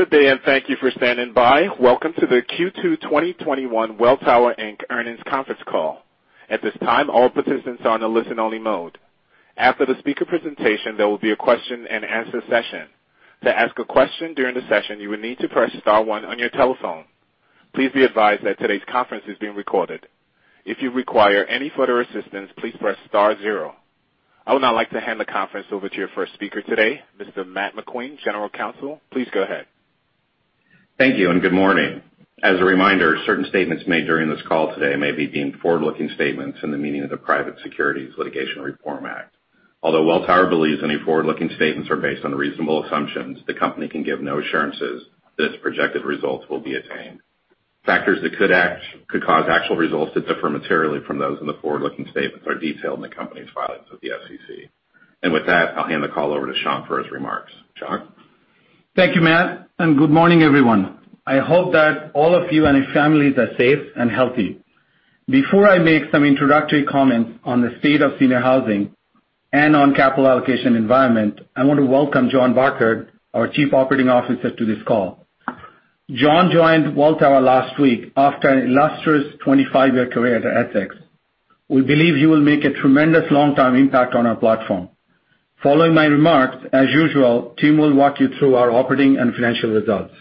Good day, and thank you for standing by. Welcome to the Q2 2021 Welltower Inc. Earnings Conference Call. At this time, all participants are on a listen-only mode. After the speaker presentation, there will be a question-and-answer session. To ask a question during the session, you will need to press star zero on your telephone. Please be advised that today's conference is being recorded. If you require any further assistance, please press star zero. I would now like to hand the conference over to your first speaker today, Mr. Matt McQueen, General Counsel. Please go ahead. Thank you, good morning. As a reminder, certain statements made during this call today may be deemed forward-looking statements in the meaning of the Private Securities Litigation Reform Act. Although Welltower believes any forward-looking statements are based on reasonable assumptions, the company can give no assurances that its projected results will be attained. Factors that could cause actual results to differ materially from those in the forward-looking statements are detailed in the company's filings with the SEC. With that, I'll hand the call over to Shankh for his remarks. Shankh? Thank you, Matt. Good morning, everyone. I hope that all of you and your families are safe and healthy. Before I make some introductory comments on the state of senior housing and on capital allocation environment, I want to welcome John Burkart, our Chief Operating Officer, to this call. John joined Welltower last week after an illustrious 25-year career at Essex. We believe he will make a tremendous long-term impact on our platform. Following my remarks, as usual, Tim will walk you through our operating and financial results.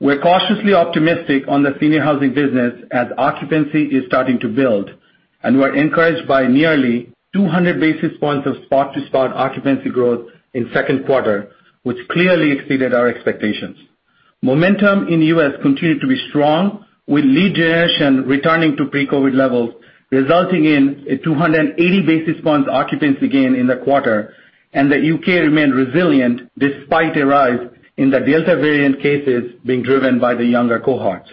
We're cautiously optimistic on the senior housing business as occupancy is starting to build, and we're encouraged by nearly 200 basis points of spot-to-spot occupancy growth in second quarter, which clearly exceeded our expectations. Momentum in the U.S. continued to be strong, with lead generation returning to pre-COVID levels, resulting in a 280 basis points occupancy gain in the quarter, and the U.K. remained resilient despite a rise in the Delta variant cases being driven by the younger cohorts.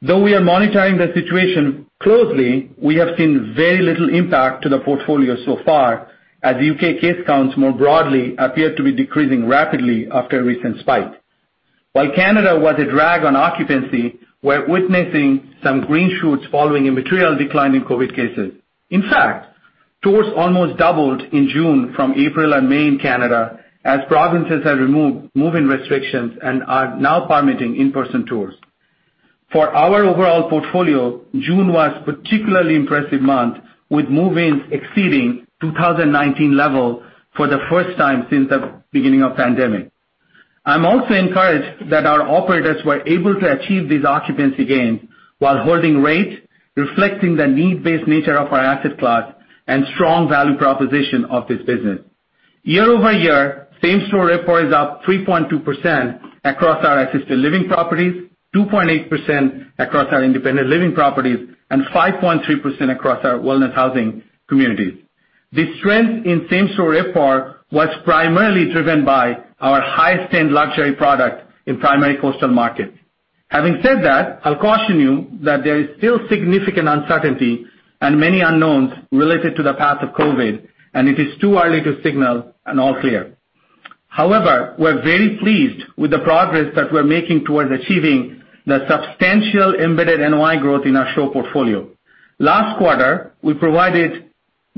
Though we are monitoring the situation closely, we have seen very little impact to the portfolio so far, as U.K. case counts more broadly appear to be decreasing rapidly after a recent spike. While Canada was a drag on occupancy, we're witnessing some green shoots following a material decline in COVID cases. In fact, tours almost doubled in June from April and May in Canada, as provinces have removed move-in restrictions and are now permitting in-person tours. For our overall portfolio, June was a particularly impressive month, with move-ins exceeding 2019 level for the first time since the beginning of pandemic. I'm also encouraged that our operators were able to achieve these occupancy gains while holding rates, reflecting the need-based nature of our asset class and strong value proposition of this business. Year-over-year, same-store RevPAR is up 3.2% across our Assisted Living properties, 2.8% across our Independent Living properties, and 5.3% across our wellness housing communities. The strength in same-store RevPAR was primarily driven by our high-end luxury product in primary coastal markets. Having said that, I'll caution you that there is still significant uncertainty and many unknowns related to the path of COVID, and it is too early to signal an all clear. However, we're very pleased with the progress that we're making towards achieving the substantial embedded NOI growth in our SHOP portfolio. Last quarter, we provided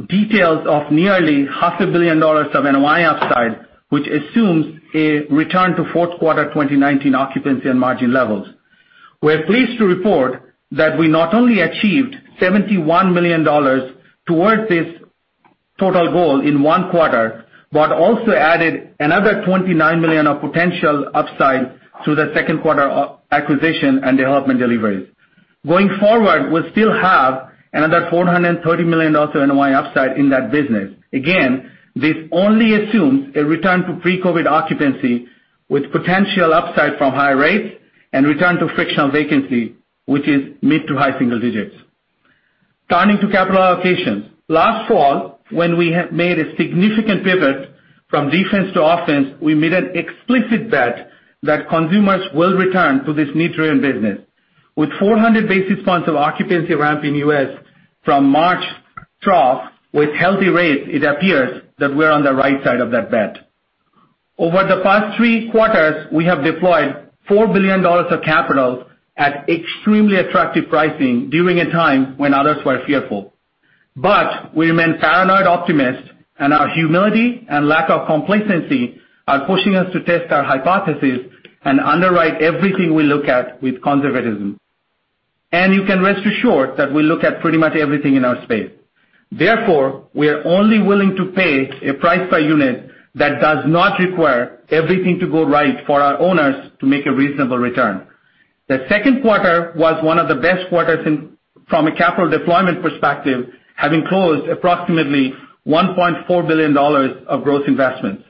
details of nearly half a billion dollars of NOI upside, which assumes a return to fourth quarter 2019 occupancy and margin levels. We're pleased to report that we not only achieved $71 million towards this total goal in one quarter, but also added another $29 million of potential upside through the second quarter acquisition and development deliveries. Going forward, we'll still have another $430 million NOI upside in that business. Again, this only assumes a return to pre-COVID occupancy with potential upside from high rates and return to frictional vacancy, which is mid to high single digits. Turning to capital allocations. Last fall, when we made a significant pivot from defense to offense, we made an explicit bet that consumers will return to this needs-driven business. With 400 basis points of occupancy ramp in U.S. from March trough with healthy rates, it appears that we're on the right side of that bet. Over the past three quarters, we have deployed $4 billion of capital at extremely attractive pricing during a time when others were fearful. We remain paranoid optimists, and our humility and lack of complacency are pushing us to test our hypothesis and underwrite everything we look at with conservatism. You can rest assured that we look at pretty much everything in our space. Therefore, we are only willing to pay a price per unit that does not require everything to go right for our owners to make a reasonable return. The second quarter was one of the best quarters from a capital deployment perspective, having closed approximately $1.4 billion of gross investments.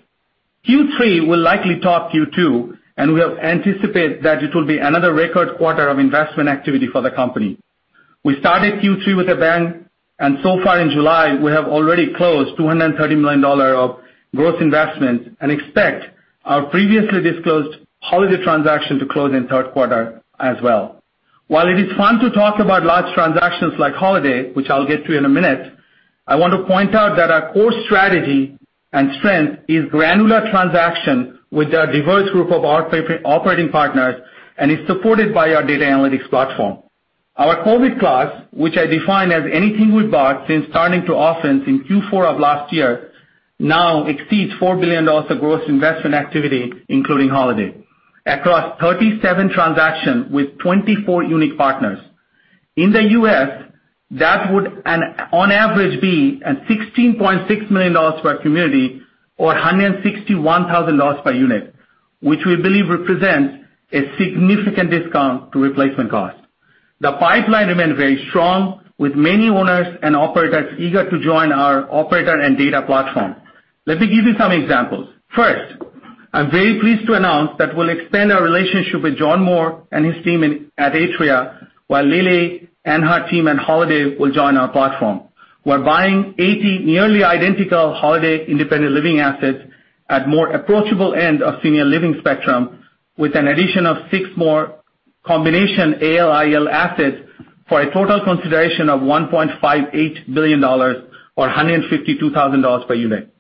Q3 will likely top Q2, and we anticipate that it will be another record quarter of investment activity for the company. We started Q3 with a bang, and so far in July, we have already closed $230 million of gross investments and expect our previously disclosed Holiday transaction to close in third quarter as well. While it is fun to talk about large transactions like Holiday, which I'll get to in a minute, I want to point out that our core strategy and strength is granular transaction with our diverse group of operating partners and is supported by our data analytics platform. Our COVID class, which I define as anything we bought since turning to offense in Q4 of last year, now exceeds $4 billion of gross investment activity, including Holiday, across 37 transactions with 24 unique partners. In the U.S., that would on average be a $16.6 million per community or $161,000 per unit, which we believe represents a significant discount to replacement cost. The pipeline remains very strong, with many owners and operators eager to join our operator and data platform. Let me give you some examples. First, I'm very pleased to announce that we'll expand our relationship with John Moore and his team at Atria, while Lilly Donohue and her team at Holiday will join our platform. We're buying 80 nearly identical Holiday independent living assets at more approachable end of senior living spectrum, with an addition of six more combination AL/IL assets for a total consideration of $1.58 billion or $152,000 per unit.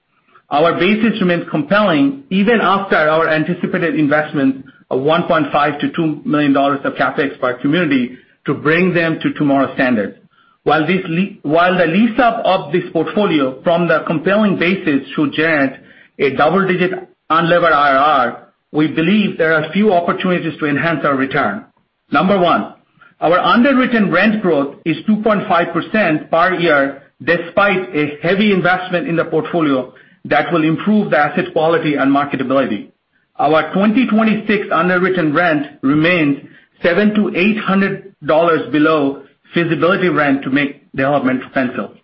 Our base investment compelling even after our anticipated investment of $1.5 million-$2 million of CapEx per community to bring them to tomorrow's standards. While the lease up of this portfolio from the compelling basis should generate a double-digit unlevered IRR, we believe there are a few opportunities to enhance our return. Number one, our underwritten rent growth is 2.5% per year despite a heavy investment in the portfolio that will improve the asset quality and marketability. Our 2026 underwritten rent remains $700-$800 below feasibility rent to make development pencil.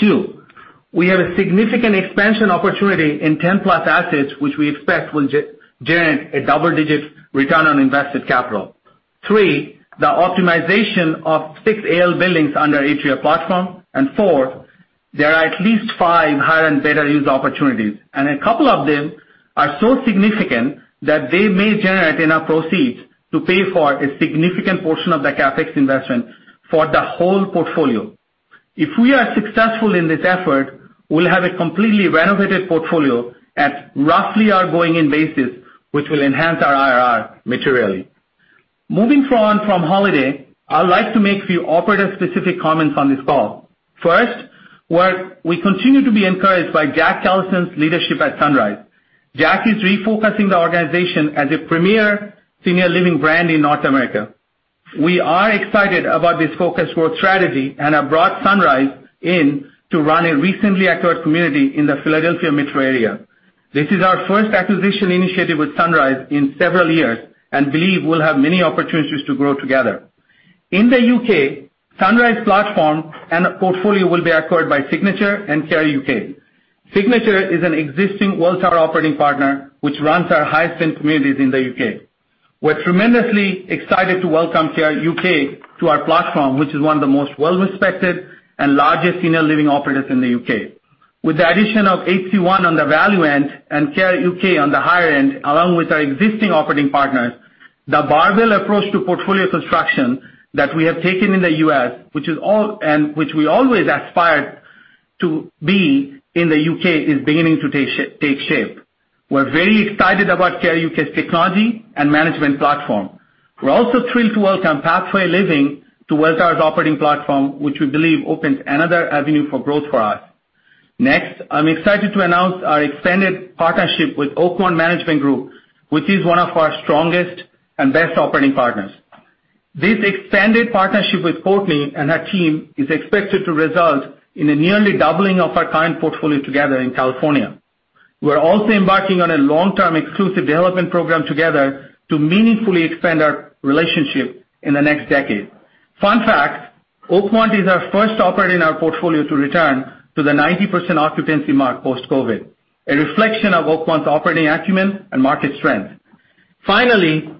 Two, we have a significant expansion opportunity in 10+ assets, which we expect will generate a double-digit return on invested capital. Three, the optimization of six AL buildings under Atria platform, and four, there are at least five higher and better use opportunities, and a couple of them are so significant that they may generate enough proceeds to pay for a significant portion of the CapEx investment for the whole portfolio. If we are successful in this effort, we'll have a completely renovated portfolio at roughly our going-in basis, which will enhance our IRR materially. Moving on from Holiday, I would like to make a few operator-specific comments on this call. First, we continue to be encouraged by Jack Callison leadership at Sunrise. Jack is refocusing the organization as a premier senior living brand in North America. We are excited about this focus growth strategy and have brought Sunrise in to run a recently acquired community in the Philadelphia metro area. This is our first acquisition initiative with Sunrise in several years and believe we'll have many opportunities to grow together. In the U.K., Sunrise platform and portfolio will be acquired by Signature and Care UK. Signature is an existing Welltower operating partner, which runs our highest-end communities in the U.K. We're tremendously excited to welcome Care UK to our platform, which is one of the most well-respected and largest senior living operators in the U.K. With the addition of HC-One on the value end and Care UK on the higher end, along with our existing operating partners, the barbell approach to portfolio construction that we have taken in the U.S. and which we always aspired to be in the U.K. is beginning to take shape. We're very excited about Care UK's technology and management platform. We're also thrilled to welcome Pathway to Living to Welltower's operating platform, which we believe opens another avenue for growth for us. Next, I'm excited to announce our expanded partnership with Oakmont Management Group, which is one of our strongest and best operating partners. This expanded partnership with Courtney and her team is expected to result in a nearly doubling of our current portfolio together in California. We're also embarking on a long-term exclusive development program together to meaningfully expand our relationship in the next decade. Fun fact, Oakmont is our first operator in our portfolio to return to the 90% occupancy mark post-COVID, a reflection of Oakmont's operating acumen and market strength. Finally,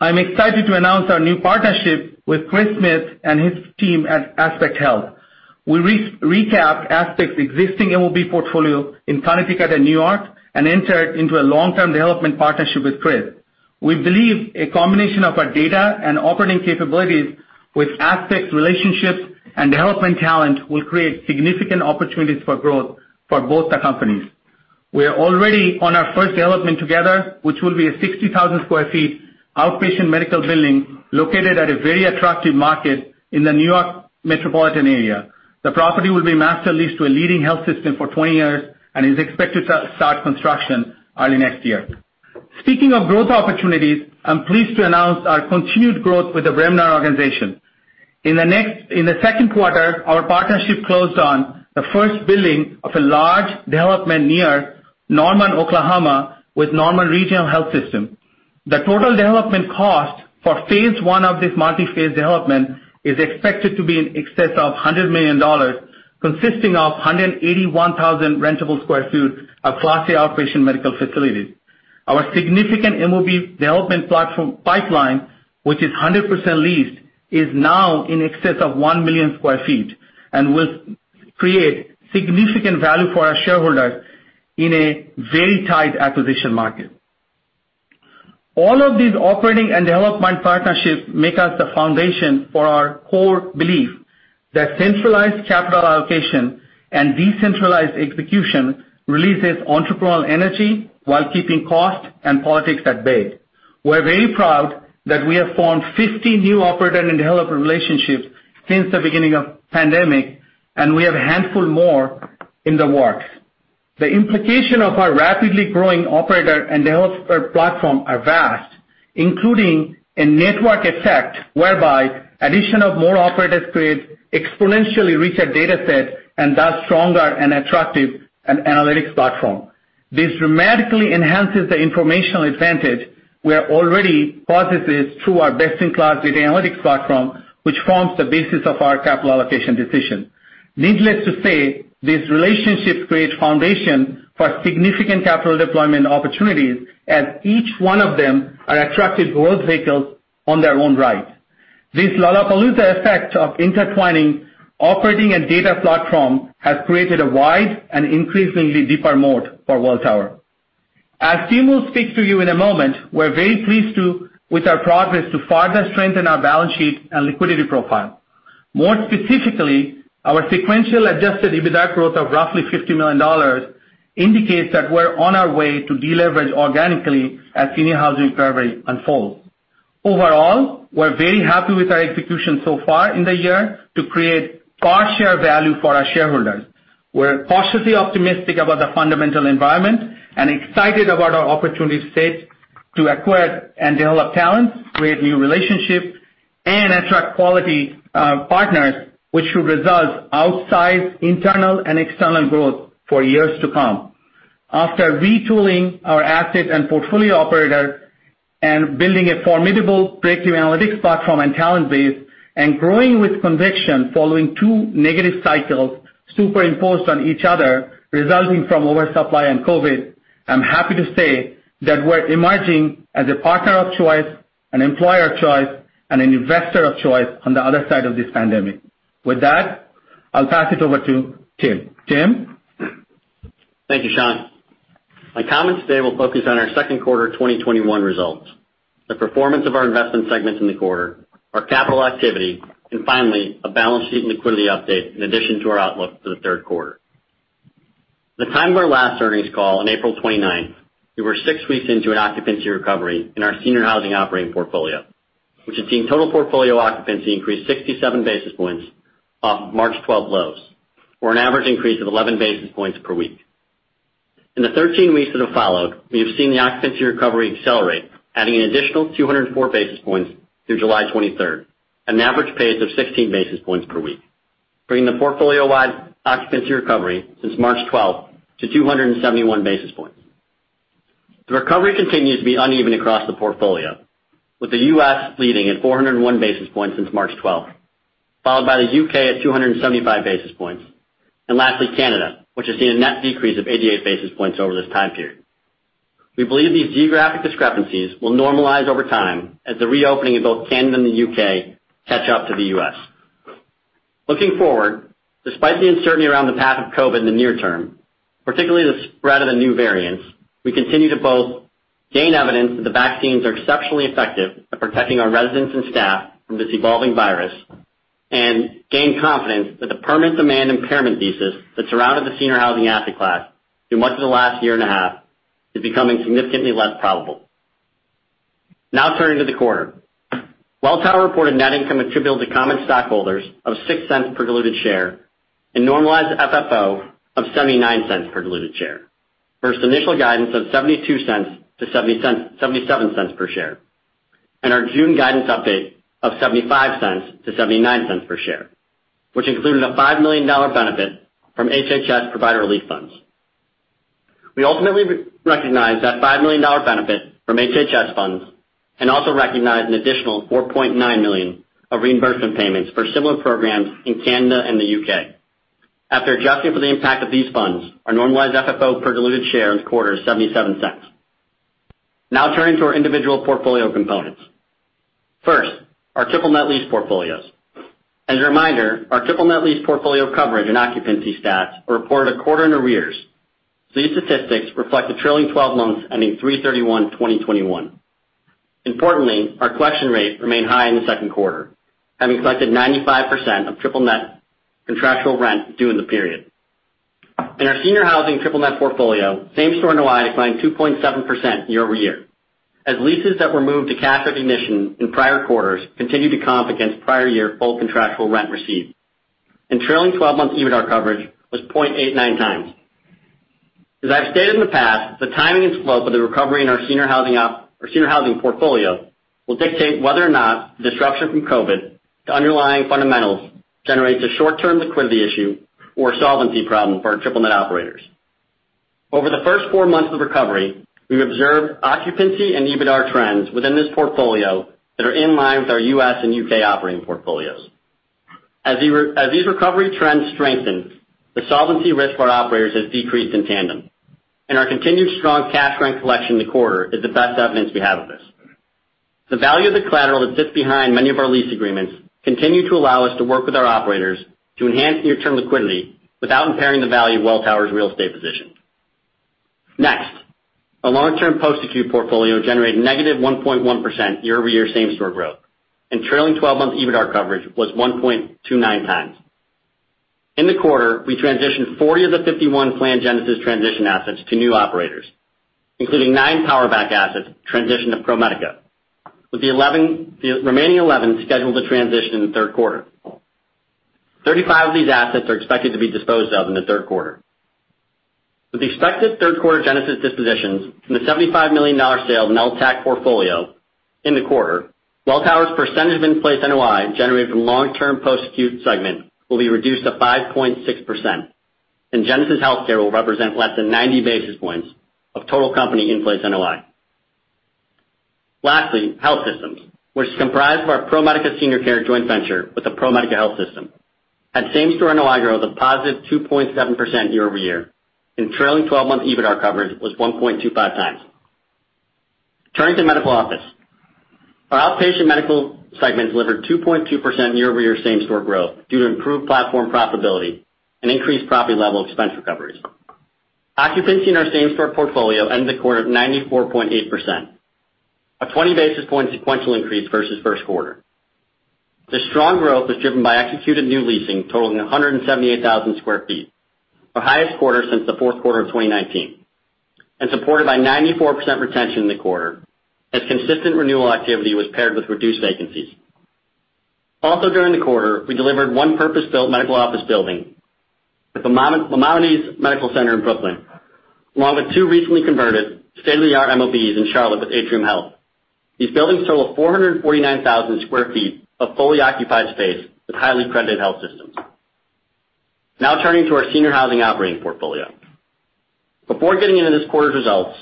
I'm excited to announce our new partnership with Chris Smith and his team at Aspect Health. We recap Aspect's existing MOB portfolio in Connecticut and New York and enter into a long-term development partnership with Chris. We believe a combination of our data and operating capabilities with Aspect's relationships and development talent will create significant opportunities for growth for both the companies. We are already on our first development together, which will be a 60,000 sq ft outpatient medical building located at a very attractive market in the New York metropolitan area. The property will be master leased to a leading health system for 20 years and is expected to start construction early next year. Speaking of growth opportunities, I'm pleased to announce our continued growth with the Bremner organization. In the second quarter, our partnership closed on the first building of a large development near Norman, Oklahoma, with Norman Regional Health System. The total development cost for phase 1 of this multi-phase development is expected to be in excess of $100 million, consisting of 181,000 rentable sq ft of class A outpatient medical facilities. Our significant MOB development platform pipeline, which is 100% leased, is now in excess of 1 million sq ft and will create significant value for our shareholders in a very tight acquisition market. All of these operating and development partnerships make us the foundation for our core belief that centralized capital allocation and decentralized execution releases entrepreneurial energy while keeping cost and politics at bay. We're very proud that we have formed 50 new operator and developer relationships since the beginning of pandemic, and we have a handful more in the works. The implication of our rapidly growing operator and developer platform are vast, including a network effect whereby addition of more operators creates exponentially richer data set and thus stronger and attractive analytics platform. This dramatically enhances the informational advantage we already possesses through our best-in-class data analytics platform, which forms the basis of our capital allocation decision. Needless to say, this relationship creates foundation for significant capital deployment opportunities as each one of them are attractive growth vehicles in their own right. This Lollapalooza effect of intertwining operating and data platform has created a wide and increasingly deeper moat for Welltower. As Tim will speak to you in a moment, we're very pleased with our progress to further strengthen our balance sheet and liquidity profile. More specifically, our sequential adjusted EBITDA growth of roughly $50 million indicates that we're on our way to deleverage organically as senior housing recovery unfolds. Overall, we're very happy with our execution so far in the year to create fair share value for our shareholders. We're cautiously optimistic about the fundamental environment and excited about our opportunity set to acquire and develop talents, create new relationships, and attract quality partners, which should result outsized internal and external growth for years to come. After retooling our asset and portfolio operator and building a formidable breakthrough analytics platform and talent base and growing with conviction following two negative cycles superimposed on each other, resulting from oversupply and COVID, I'm happy to say that we're emerging as a partner of choice, an employer of choice, and an investor of choice on the other side of this pandemic. With that, I'll pass it over to Tim. Tim? Thank you, Shankh. My comments today will focus on our second quarter 2021 results, the performance of our investment segments in the quarter, our capital activity, and finally, a balance sheet and liquidity update in addition to our outlook for the third quarter. At the time of our last earnings call on April 29th, we were six weeks into an occupancy recovery in our senior housing operating portfolio, which has seen total portfolio occupancy increase 67 basis points off March 12 lows or an average increase of 11 basis points per week. In the 13 weeks that have followed, we have seen the occupancy recovery accelerate, adding an additional 204 basis points through July 23rd, an average pace of 16 basis points per week, bringing the portfolio-wide occupancy recovery since March 12th to 271 basis points. The recovery continues to be uneven across the portfolio, with the U.S. leading at 401 basis points since March 12th, followed by the U.K. at 275 basis points. Lastly, Canada, which has seen a net decrease of 88 basis points over this time period. We believe these geographic discrepancies will normalize over time as the reopening of both Canada and the U.K. catch up to the U.S. Looking forward, despite the uncertainty around the path of COVID in the near term, particularly the spread of the new variants, we continue to both gain evidence that the vaccines are exceptionally effective at protecting our residents and staff from this evolving virus, and gain confidence that the permanent demand impairment thesis that surrounded the senior housing asset class through much of the last year and a half is becoming significantly less probable. Turning to the quarter. Welltower reported net income attributable to common stockholders of $0.06 per diluted share and normalized FFO of $0.79 per diluted share versus initial guidance of $0.72-$0.77 per share, and our June guidance update of $0.75-$0.79 per share, which included a $5 million benefit from HHS Provider Relief Fund. We ultimately recognized that $5 million benefit from HHS funds and also recognized an additional $4.9 million of reimbursement payments for similar programs in Canada and the U.K. After adjusting for the impact of these funds, our normalized FFO per diluted share this quarter is $0.77. Turning to our individual portfolio components. First, our triple net lease portfolios. As a reminder, our triple net lease portfolio coverage and occupancy stats are reported a quarter in arrears. These statistics reflect the trailing 12 months ending 3/31/2021. Importantly, our collection rates remain high in the second quarter, having collected 95% of triple net contractual rent due in the period. In our senior housing triple net portfolio, same-store NOI declined 2.7% year-over-year, as leases that were moved to cash recognition in prior quarters continued to comp against prior year full contractual rent received. Trailing 12 months EBITDA coverage was 0.89 times. As I've stated in the past, the timing and slope of the recovery in our senior housing portfolio will dictate whether or not the disruption from COVID to underlying fundamentals generates a short-term liquidity issue or solvency problem for our triple net operators. Over the first four months of recovery, we've observed occupancy and EBITDA trends within this portfolio that are in line with our U.S. and U.K. operating portfolios. As these recovery trends strengthen, the solvency risk for our operators has decreased in tandem, and our continued strong cash rent collection in the quarter is the best evidence we have of this. The value of the collateral that sits behind many of our lease agreements continue to allow us to work with our operators to enhance near-term liquidity without impairing the value of Welltower's real estate position. Next, our long-term post-acute portfolio generated -1.1% year-over-year same-store growth, and trailing 12-month EBITDAR coverage was 1.29x. In the quarter, we transitioned 40 of the 51 planned Genesis transition assets to new operators, including 9 PowerBack assets transitioned to ProMedica, with the remaining 11 scheduled to transition in the third quarter. 35 of these assets are expected to be disposed of in the third quarter. With the expected third-quarter Genesis dispositions from the $75 million sale of Meltac portfolio in the quarter, Welltower's percentage of in-place NOI generated from long-term post-acute segment will be reduced to 5.6%, and Genesis HealthCare will represent less than 90 basis points of total company in-place NOI. Lastly, health systems, which is comprised of our ProMedica Senior Care joint venture with the ProMedica health system, had same-store NOI growth of positive 2.7% year-over-year and trailing 12-month EBITDAR coverage was 1.25 times. Turning to medical office. Our outpatient medical segment delivered 2.2% year-over-year same-store growth due to improved platform profitability and increased property level expense recoveries. Occupancy in our same-store portfolio ended the quarter at 94.8%, a 20 basis point sequential increase versus first quarter. The strong growth was driven by executed new leasing totaling 178,000 sq ft, our highest quarter since the fourth quarter of 2019, and supported by 94% retention in the quarter as consistent renewal activity was paired with reduced vacancies. Also during the quarter, we delivered one purpose-built medical office building at the Maimonides Medical Center in Brooklyn, along with two recently converted state-of-the-art MOBs in Charlotte with Atrium Health. These buildings total 449,000 sq ft of fully occupied space with highly credited health systems. Now turning to our senior housing operating portfolio. Before getting into this quarter's results,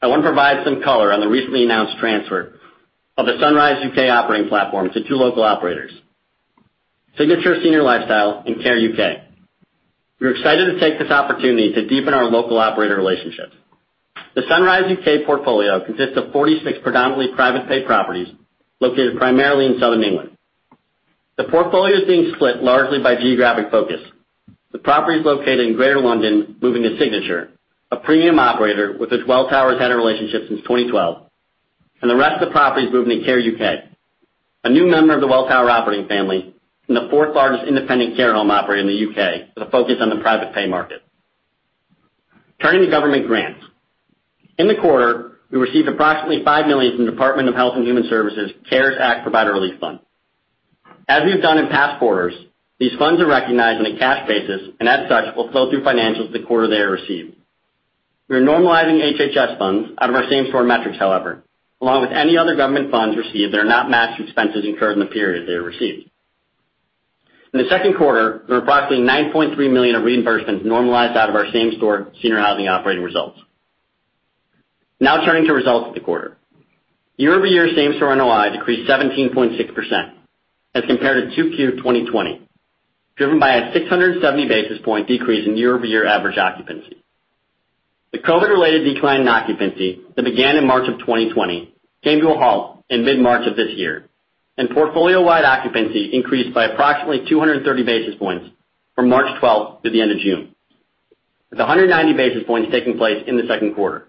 I want to provide some color on the recently announced transfer of the Sunrise UK operating platform to two local operators, Signature Senior Lifestyle and Care UK. We're excited to take this opportunity to deepen our local operator relationships. The Sunrise U.K. portfolio consists of 46 predominantly private pay properties located primarily in southern England. The portfolio is being split largely by geographic focus, with properties located in Greater London moving to Signature, a premium operator with which Welltower's had a relationship since 2012, and the rest of the properties moving to Care UK, a new member of the Welltower operating family and the fourth largest independent care home operator in the U.K. with a focus on the private pay market. Turning to government grants. In the quarter, we received approximately $5 million from the Department of Health and Human Services' CARES Act Provider Relief Fund. As we've done in past quarters, these funds are recognized on a cash basis, and as such, will flow through financials the quarter they are received. We are normalizing HHS funds out of our same store metrics, however, along with any other government funds received that are not matched to expenses incurred in the period they are received. In the second quarter, there were approximately $9.3 million of reimbursements normalized out of our same store senior housing operating results. Now turning to results of the quarter. Year-over-year same store NOI decreased 17.6% as compared to 2Q 2020, driven by a 670 basis points decrease in year-over-year average occupancy. The COVID-related decline in occupancy that began in March of 2020 came to a halt in mid-March of this year, and portfolio-wide occupancy increased by approximately 230 basis points from March 12th to the end of June, with 190 basis points taking place in the second quarter.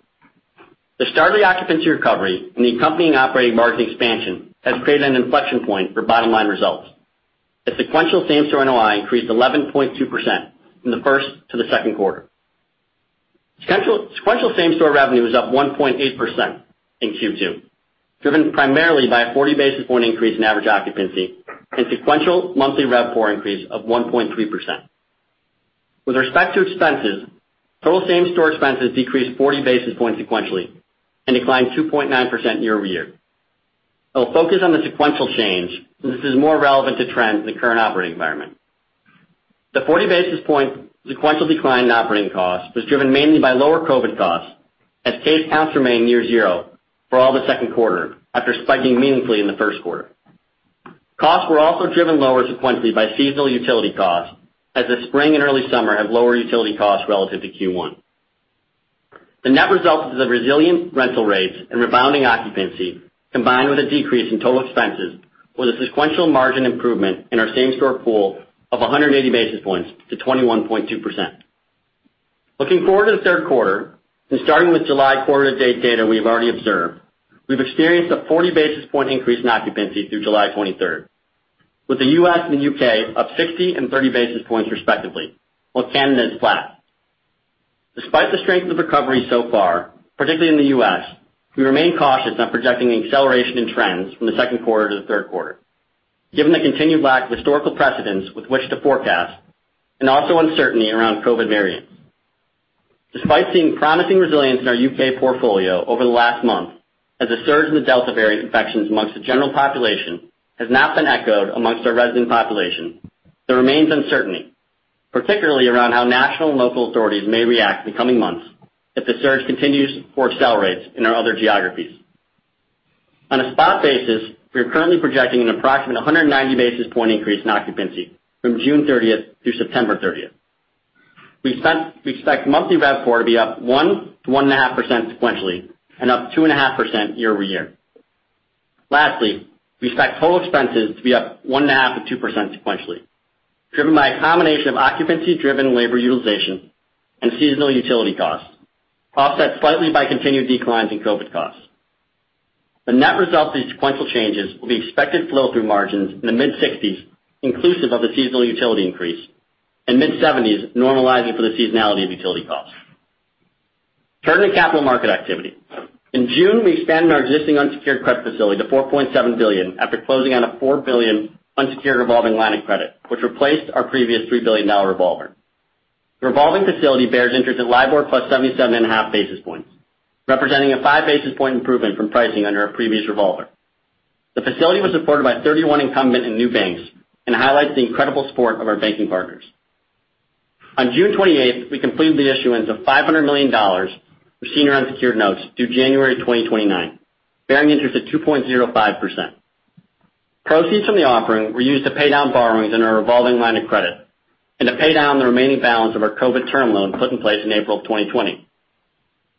The start of the occupancy recovery and the accompanying operating margin expansion has created an inflection point for bottom-line results, as sequential same store NOI increased 11.2% from the first to the second quarter. Sequential same store revenue was up 1.8% in Q2, driven primarily by a 40 basis point increase in average occupancy and sequential monthly RevPAR increase of 1.3%. With respect to expenses, total same store expenses decreased 40 basis points sequentially and declined 2.9% year-over-year. I will focus on the sequential change, as this is more relevant to trends in the current operating environment. The 40 basis point sequential decline in operating costs was driven mainly by lower COVID costs as case counts remained near zero for all the second quarter after spiking meaningfully in the first quarter. Costs were also driven lower sequentially by seasonal utility costs as the spring and early summer have lower utility costs relative to Q1. The net result is the resilient rental rates and rebounding occupancy combined with a decrease in total expenses was a sequential margin improvement in our same store pool of 180 basis points to 21.2%. Looking forward to the third quarter and starting with July quarter to date data we have already observed, we've experienced a 40 basis point increase in occupancy through July 23rd, with the U.S. and the U.K. up 60 and 30 basis points respectively, while Canada is flat. Despite the strength of the recovery so far, particularly in the U.S., we remain cautious on projecting the acceleration in trends from the 2nd quarter to the 3rd quarter, given the continued lack of historical precedents with which to forecast and also uncertainty around COVID variants. Despite seeing promising resilience in our U.K. portfolio over the last month as a surge in the Delta variant infections amongst the general population has not been echoed amongst our resident population, there remains uncertainty, particularly around how national and local authorities may react in the coming months if the surge continues or accelerates in our other geographies. On a spot basis, we are currently projecting an approximate 190 basis points increase in occupancy from June 30th through September 30th. We expect monthly RevPAR to be up 1%-1.5% sequentially and up 2.5% year-over-year. Lastly, we expect total expenses to be up 1.5%-2% sequentially, driven by a combination of occupancy-driven labor utilization and seasonal utility costs, offset slightly by continued declines in COVID costs. The net result of these sequential changes will be expected flow-through margins in the mid-60%, inclusive of the seasonal utility increase, and mid-70% normalizing for the seasonality of utility costs. Turning to capital market activity. In June, we expanded our existing unsecured credit facility to $4.7 billion after closing on a $4 billion unsecured revolving line of credit, which replaced our previous $3 billion revolver. The revolving facility bears interest at LIBOR plus 77.5 basis points, representing a 5 basis point improvement from pricing under our previous revolver. The facility was supported by 31 incumbent and new banks and highlights the incredible support of our banking partners. On June 28th, we completed the issuance of $500 million of senior unsecured notes due January 2029, bearing interest at 2.05%. Proceeds from the offering were used to pay down borrowings in our revolving line of credit and to pay down the remaining balance of our COVID term loan put in place in April of 2020.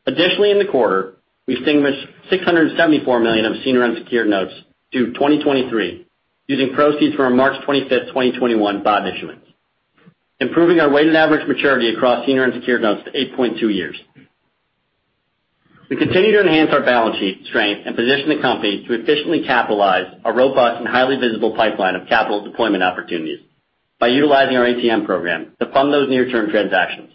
In the quarter, we extinguished $674 million of senior unsecured notes due 2023, using proceeds from our March 25th, 2021 bond issuance, improving our weighted average maturity across senior unsecured notes to 8.2 years. We continue to enhance our balance sheet strength and position the company to efficiently capitalize a robust and highly visible pipeline of capital deployment opportunities by utilizing our ATM program to fund those near-term transactions.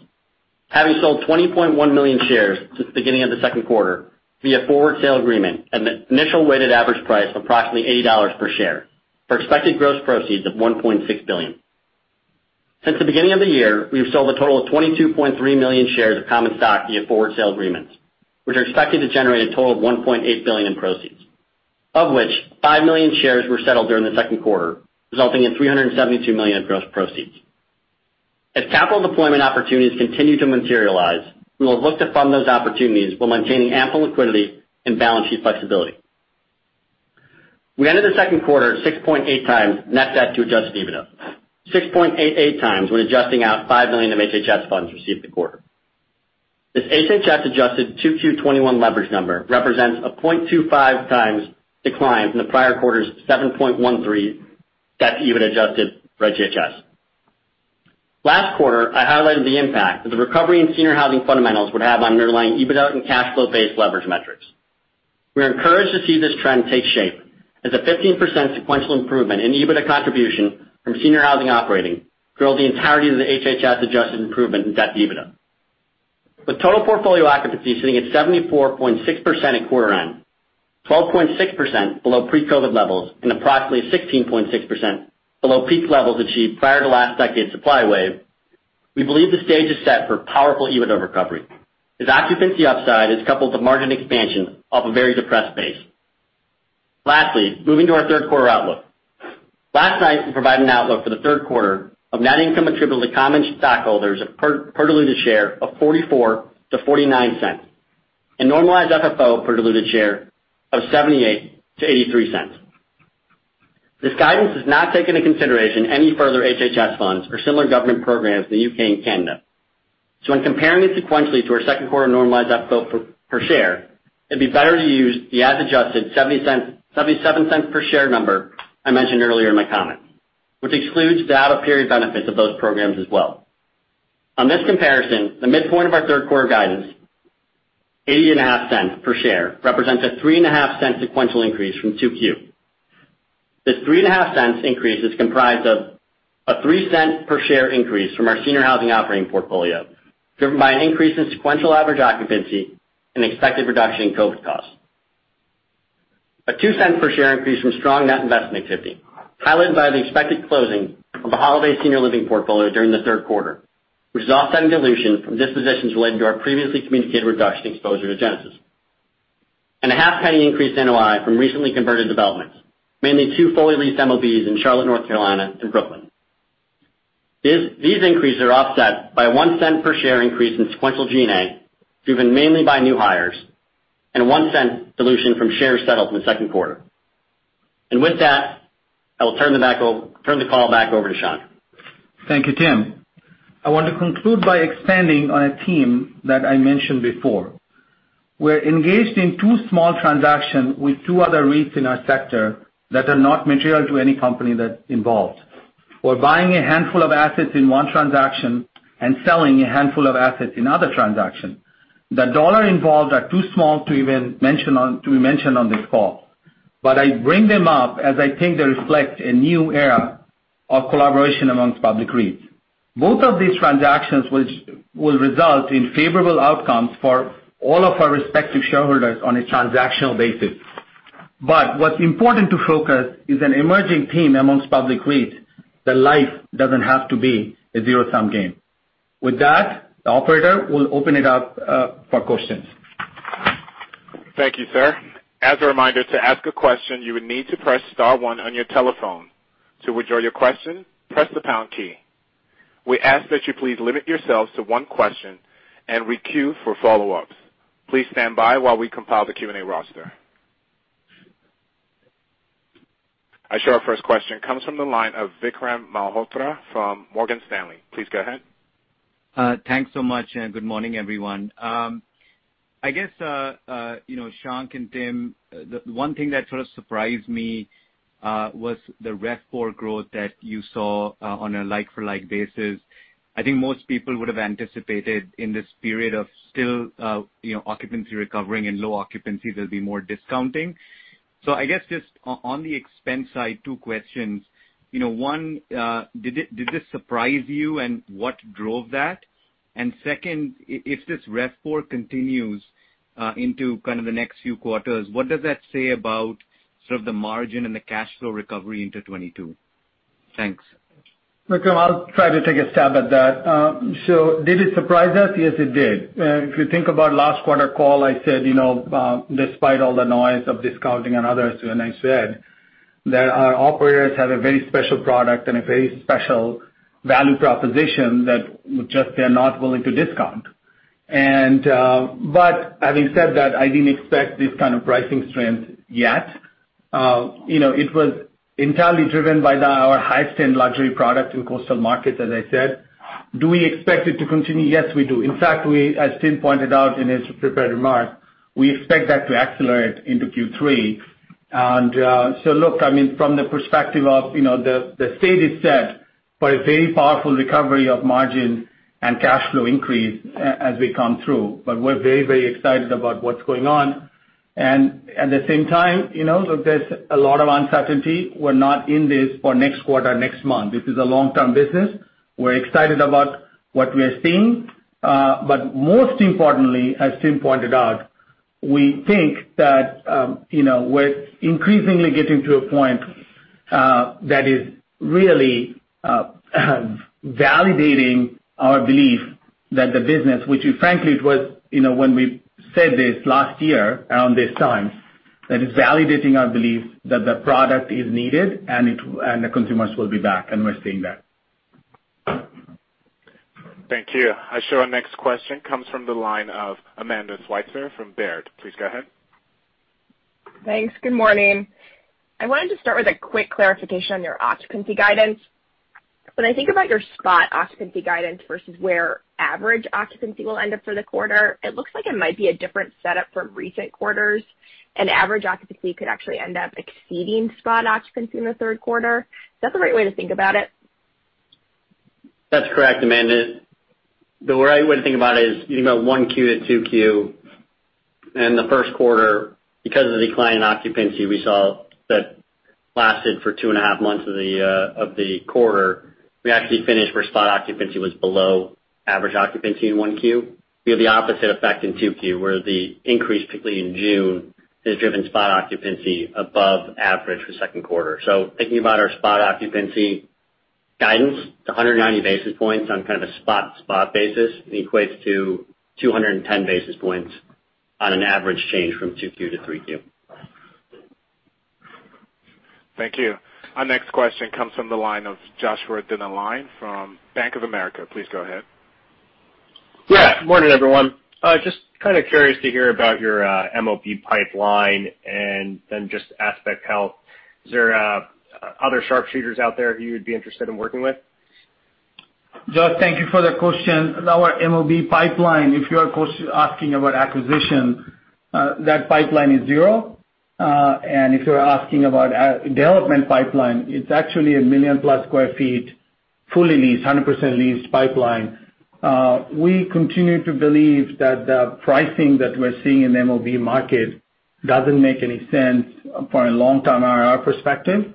Having sold 20.1 million shares since the beginning of the second quarter via forward sale agreement at an initial weighted average price of approximately $80 per share for expected gross proceeds of $1.6 billion. Since the beginning of the year, we have sold a total of 22.3 million shares of common stock via forward sale agreements, which are expected to generate a total of $1.8 billion in proceeds, of which 5 million shares were settled during the second quarter, resulting in $372 million of gross proceeds. As capital deployment opportunities continue to materialize, we will look to fund those opportunities while maintaining ample liquidity and balance sheet flexibility. We ended the second quarter at 6.8x net debt to adjusted EBITDA, 6.88x when adjusting out $5 million of HHS funds received the quarter. This HHS-adjusted 2Q21 leverage number represents a 0.25x decline from the prior quarter's 7.13 debt to EBITDA adjusted for HHS. Last quarter, I highlighted the impact that the recovery in senior housing fundamentals would have on underlying EBITDA and cash flow-based leverage metrics. We are encouraged to see this trend take shape as a 15% sequential improvement in EBITDA contribution from senior housing operating drove the entirety of the HHS-adjusted improvement in debt to EBITDA. With total portfolio occupancy sitting at 74.6% at quarter end, 12.6% below pre-COVID levels and approximately 16.6% below peak levels achieved prior to last decade's supply wave, we believe the stage is set for powerful EBITDA recovery as occupancy upside is coupled with margin expansion off a very depressed base. Lastly, moving to our third quarter outlook. Last night, we provided an outlook for the third quarter of net income attributable to common stockholders of per diluted share of $0.44-$0.49 and normalized FFO per diluted share of $0.78-$0.83. This guidance does not take into consideration any further HHS funds or similar government programs in the U.K. and Canada. When comparing it sequentially to our second quarter normalized FFO per share, it would be better to use the as-adjusted $0.77 per share number I mentioned earlier in my comments, which excludes that off-period benefits of those programs as well. On this comparison, the midpoint of our third quarter guidance, $0.805 per share, represents a $0.035 sequential increase from 2Q. This $0.035 increase is comprised of a $0.03 per share increase from our senior housing operating portfolio, driven by an increase in sequential average occupancy and expected reduction in COVID costs. A $0.02 per share increase from strong net investment activity, highlighted by the expected closing of the Holiday Retirement portfolio during the third quarter, which is offsetting dilution from dispositions related to our previously communicated reduction in exposure to Genesis. A half penny increase in NOI from recently converted developments, mainly two fully leased MOBs in Charlotte, North Carolina and Brooklyn. These increases are offset by a $0.01 per share increase in sequential G&A, driven mainly by new hires, and a $0.01 dilution from shares settled in the second quarter. With that, I will turn the call back over to Shankh Mitra. Thank you, Tim. I want to conclude by expanding on a theme that I mentioned before. We're engaged in two small transactions with two other REITs in our sector that are not material to any company that's involved. We're buying a handful of assets in one transaction and selling a handful of assets in another transaction. The dollar involved are too small to mention on this call, but I bring them up as I think they reflect a new era of collaboration amongst public REITs. Both of these transactions will result in favorable outcomes for all of our respective shareholders on a transactional basis. What's important to focus is an emerging theme amongst public REITs that life doesn't have to be a zero-sum game. With that, the operator will open it up for questions. Thank you, sir. As a reminder, to ask a question, you would need to press star one on your telephone. To withdraw your question, press the pound key. We ask that you please limit yourselves to one question and re-queue for follow-ups. Please stand by while we compile the Q&A roster. I show our first question comes from the line of Vikram Malhotra from Morgan Stanley. Please go ahead. Thanks so much. Good morning, everyone. I guess, Shankh and Tim, the one thing that sort of surprised me was the RevPOR growth that you saw on a like-for-like basis. I think most people would have anticipated in this period of still occupancy recovering and low occupancy, there'll be more discounting. I guess just on the expense side, two questions. One, did this surprise you and what drove that? Second, if this RevPOR continues into kind of the next few quarters, what does that say about sort of the margin and the cash flow recovery into 2022? Thanks. Vikram, I'll try to take a stab at that. Did it surprise us? Yes, it did. If you think about last quarter call, I said, despite all the noise of discounting and others, and I said that our operators have a very special product and a very special value proposition that just they're not willing to discount. Having said that, I didn't expect this kind of pricing strength yet. It was entirely driven by our high-spend luxury product in coastal markets, as I said. Do we expect it to continue? Yes, we do. In fact, as Tim pointed out in his prepared remarks, we expect that to accelerate into Q3. Look, from the perspective of the stage is set for a very powerful recovery of margin and cash flow increase as we come through. We're very excited about what's going on. At the same time, look, there's a lot of uncertainty. We're not in this for next quarter, next month. This is a long-term business. We're excited about what we are seeing. Most importantly, as Tim pointed out, we think that we're increasingly getting to a point that is really validating our belief that the business, which frankly, when we said this last year around this time, that it's validating our belief that the product is needed and the consumers will be back, and we're seeing that. Thank you. I show our next question comes from the line of Amanda Sweitzer from Baird. Please go ahead. Thanks. Good morning. I wanted to start with a quick clarification on your occupancy guidance. When I think about your spot occupancy guidance versus where average occupancy will end up for the quarter, it looks like it might be a different setup from recent quarters, and average occupancy could actually end up exceeding spot occupancy in the third quarter. Is that the right way to think about it? That's correct, Amanda. The right way to think about it is, if you think about Q1-Q2, in the first quarter, because of the decline in occupancy we saw that lasted for two and a half months of the quarter, we actually finished where spot occupancy was below average occupancy in q1. We have the opposite effect in Q2, where the increase, particularly in June, has driven spot occupancy above average for the second quarter. Thinking about our spot occupancy guidance, it is 190 basis points on kind of a spot basis and equates to 210 basis points on an average change from Q2-Q3. Thank you. Our next question comes from the line of Joshua Dennerlein from Bank of America. Please go ahead. Yeah. Good morning, everyone. Just kind of curious to hear about your MOB pipeline and then just Aspect Health. Is there other sharpshooters out there who you'd be interested in working with? Josh, thank you for the question. Our MOB pipeline, if you are asking about acquisition, that pipeline is 0. If you're asking about our development pipeline, it's actually 1 million-plus sq ft, fully leased, 100% leased pipeline. We continue to believe that the pricing that we're seeing in the MOB market doesn't make any sense for a long-term IR perspective.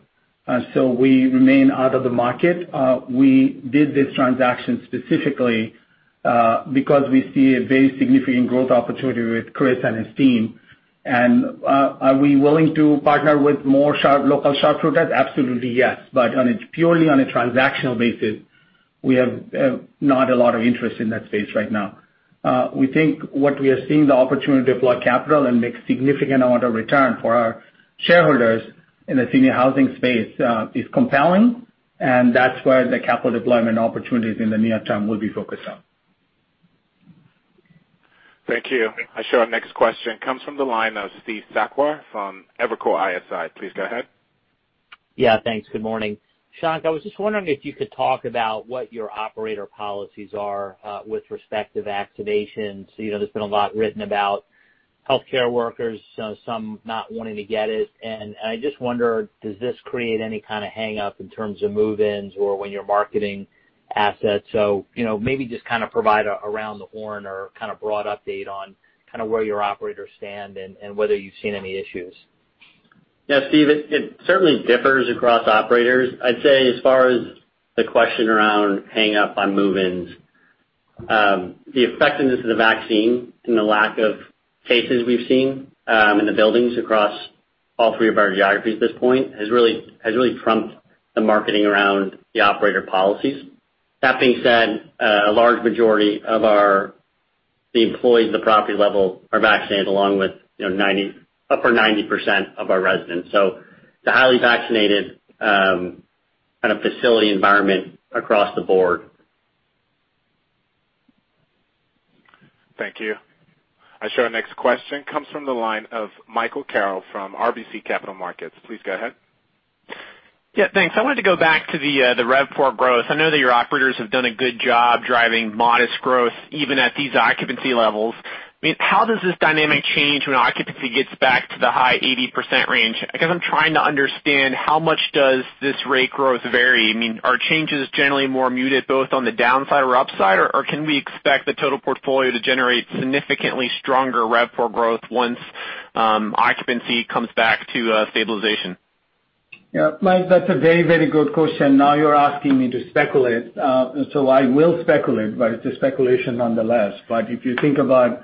We remain out of the market. We did this transaction specifically because we see a very significant growth opportunity with Chris and his team. Are we willing to partner with more local sharpshooters? Absolutely, yes. Purely on a transactional basis, we have not a lot of interest in that space right now. We think what we are seeing, the opportunity to deploy capital and make significant amount of return for our shareholders in the senior housing space is compelling, and that's where the capital deployment opportunities in the near term will be focused on. Thank you. I show our next question comes from the line of Steve Sakwa from Evercore ISI. Please go ahead. Thanks. Good morning. Shankh, I was just wondering if you could talk about what your operator policies are with respect to vaccinations. There's been a lot written about healthcare workers, some not wanting to get it. I just wonder, does this create any kind of hang-up in terms of move-ins or when you're marketing assets? Maybe just kind of provide a around the horn or kind of broad update on kind of where your operators stand and whether you've seen any issues. Yeah, Steve, it certainly differs across operators. I'd say as far as the question around hang-up on move-ins, the effectiveness of the vaccine and the lack of cases we've seen in the buildings across all three of our geographies at this point has really trumped the marketing around the operator policies. That being said, a large majority of the employees at the property level are vaccinated, along with upper 90% of our residents. The highly vaccinated kind of facility environment across the board Thank you. I show our next question comes from the line of Michael Carroll from RBC Capital Markets. Please go ahead. Yeah, thanks. I wanted to go back to the RevPAR growth. I know that your operators have done a good job driving modest growth even at these occupancy levels. How does this dynamic change when occupancy gets back to the high 80% range? I guess I'm trying to understand how much does this rate growth vary? Are changes generally more muted both on the downside or upside, or can we expect the total portfolio to generate significantly stronger RevPAR growth once occupancy comes back to stabilization? Mike, that's a very good question. Now you're asking me to speculate. I will speculate, but it's a speculation nonetheless. If you think about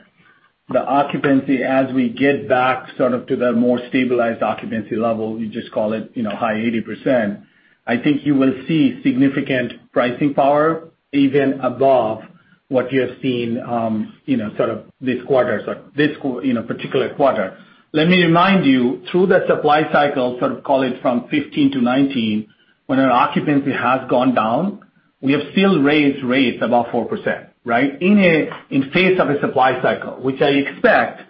the occupancy as we get back sort of to the more stabilized occupancy level, you just call it high 80%, I think you will see significant pricing power even above what you have seen this particular quarter. Let me remind you, through the supply cycle, sort of call it from 2015-2019, when our occupancy has gone down, we have still raised rates above 4%, right? In face of a supply cycle, which I expect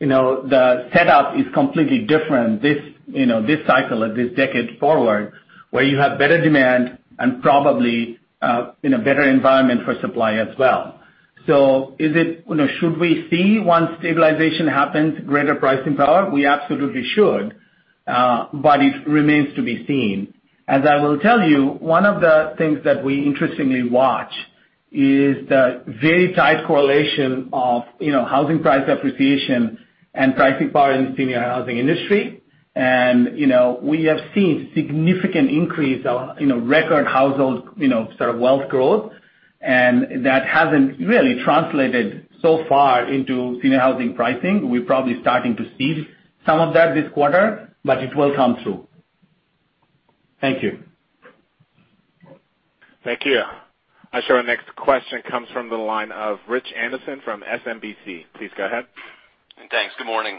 the setup is completely different this cycle or this decade forward, where you have better demand and probably a better environment for supply as well. Should we see, once stabilization happens, greater pricing power? We absolutely should, it remains to be seen. As I will tell you, one of the things that we interestingly watch is the very tight correlation of housing price appreciation and pricing power in the senior housing industry. We have seen significant increase of record household sort of wealth growth, and that hasn't really translated so far into senior housing pricing. We're probably starting to see some of that this quarter, but it will come through. Thank you. Thank you. I show our next question comes from the line of Richard Anderson from SMBC. Please go ahead. Thanks. Good morning.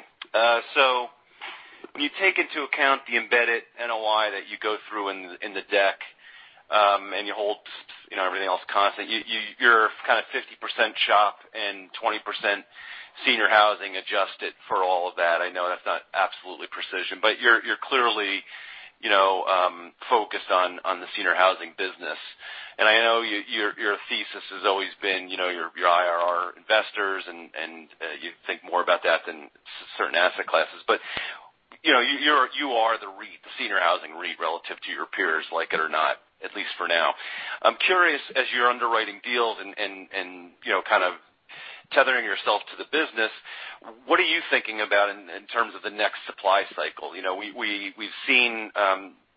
When you take into account the embedded NOI that you go through in the deck, and you hold everything else constant, you're kind of 50% SHOP and 20% senior housing adjusted for all of that. I know that's not absolutely precision, but you're clearly focused on the senior housing business. I know your thesis has always been your IRR investors and you think more about that than certain asset classes. You are the senior housing REIT relative to your peers, like it or not, at least for now. I'm curious, as you're underwriting deals and kind of tethering yourself to the business, what are you thinking about in terms of the next supply cycle? We've seen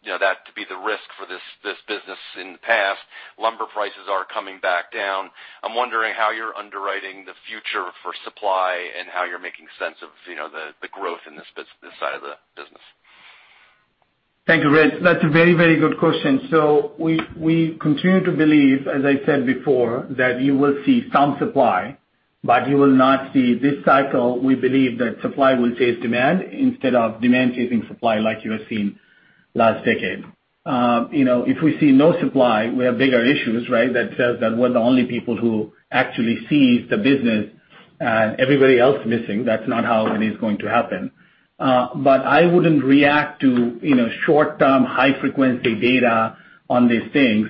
that to be the risk for this business in the past. Lumber prices are coming back down. I'm wondering how you're underwriting the future for supply and how you're making sense of the growth in this side of the business. Thank you, Rich. That's a very good question. We continue to believe, as I said before, that you will see some supply, but you will not see this cycle, we believe that supply will chase demand instead of demand chasing supply like you have seen last decade. If we see no supply, we have bigger issues, right? That says that we're the only people who actually sees the business and everybody else missing. That's not how it is going to happen. I wouldn't react to short-term, high-frequency data on these things,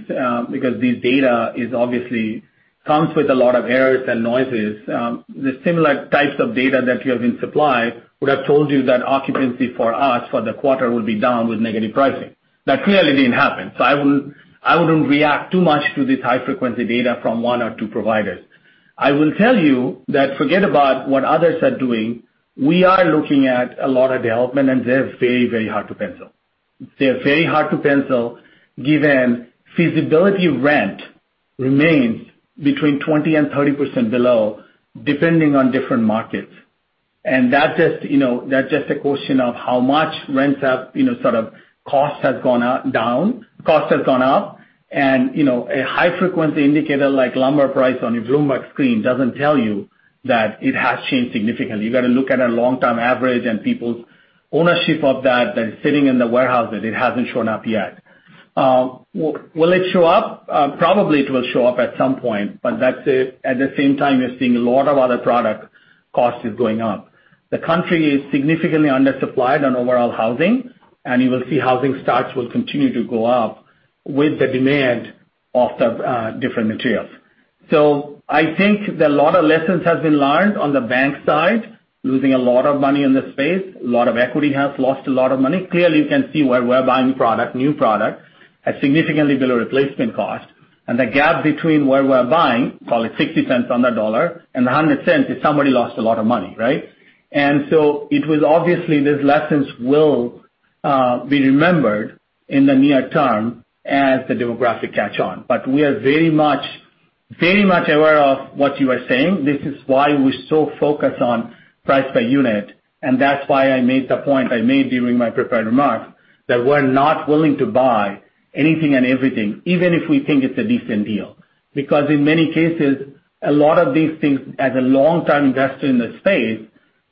because these data obviously comes with a lot of errors and noises. The similar types of data that you have in supply would have told you that occupancy for us for the quarter will be down with negative pricing. That clearly didn't happen. I wouldn't react too much to this high-frequency data from one or two providers. I will tell you that forget about what others are doing. We are looking at a lot of development, and they're very hard to pencil. They are very hard to pencil given feasibility rent remains between 20% and 30% below, depending on different markets. That's just a question of how much rents have sort of cost has gone up, and a high-frequency indicator like lumber price on your Bloomberg screen doesn't tell you that it has changed significantly. You got to look at a long-term average and people's ownership of that is sitting in the warehouses. It hasn't shown up yet. Will it show up? Probably it will show up at some point, but at the same time, you're seeing a lot of other product cost is going up. The country is significantly undersupplied on overall housing. You will see housing starts will continue to go up with the demand of the different materials. I think that a lot of lessons has been learned on the bank side, losing a lot of money in the space. A lot of equity has lost a lot of money. Clearly, you can see where we're buying product, new product, at significantly below replacement cost. The gap between where we're buying, call it $0.60 on the dollar, and $1.00 is somebody lost a lot of money, right? Obviously, these lessons will be remembered in the near term as the demographic catch on. We are very much aware of what you are saying. This is why we're so focused on price per unit. That's why I made the point I made during my prepared remarks, that we're not willing to buy anything and everything, even if we think it's a decent deal. In many cases, as a long-term investor in the space,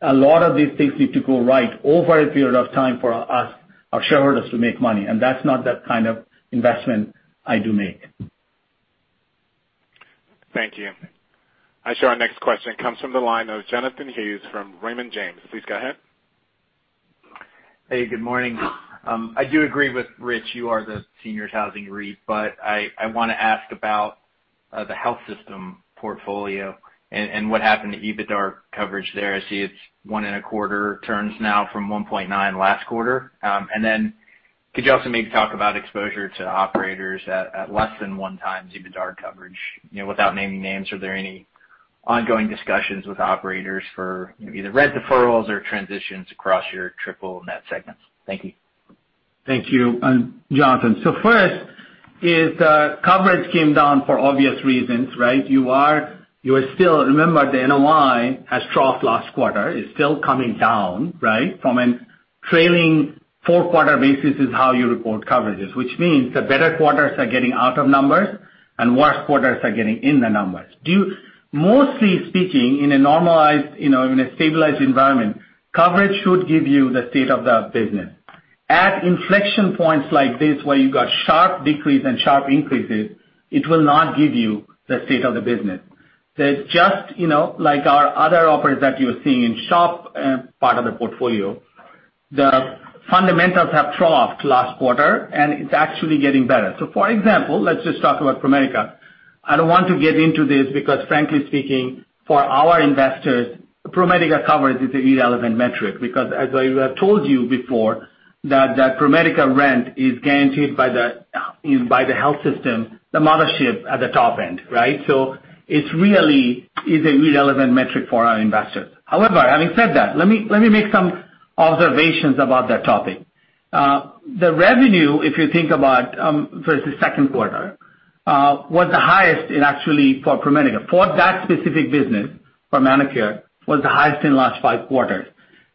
a lot of these things need to go right over a period of time for our shareholders to make money. That's not that kind of investment I do make. Thank you. I show our next question comes from the line of Jonathan Hughes from Raymond James. Please go ahead. Hey, good morning. I do agree with Rich, you are the seniors housing REIT. I want to ask about the health system portfolio and what happened to EBITDA coverage there. I see it's one in a quarter turns now from 1.9 last quarter. Could you also maybe talk about exposure to operators at less than one times EBITDA coverage? Without naming names, are there any ongoing discussions with operators for either rent deferrals or transitions across your triple net segments? Thank you. Thank you, Jonathan. First is, coverage came down for obvious reasons, right? Remember, the NOI has troughed last quarter, is still coming down, right? From a trailing four-quarter basis is how you report coverages, which means the better quarters are getting out of numbers and worse quarters are getting in the numbers. Mostly speaking, in a normalized, in a stabilized environment, coverage should give you the state of the business. At inflection points like this, where you got sharp decrease and sharp increases, it will not give you the state of the business. They're just like our other operators that you are seeing in SHOP part of the portfolio. The fundamentals have troughed last quarter, and it's actually getting better. For example, let's just talk about ProMedica. I don't want to get into this because frankly speaking, for our investors, ProMedica coverage is an irrelevant metric because as I have told you before, that ProMedica rent is guaranteed by the health system, the mothership at the top end, right? It's really is an irrelevant metric for our investors. However, having said that, let me make some observations about that topic. The revenue, if you think about, for the second quarter, was the highest in actually for ProMedica. For that specific business, for ManorCare, was the highest in last five quarters.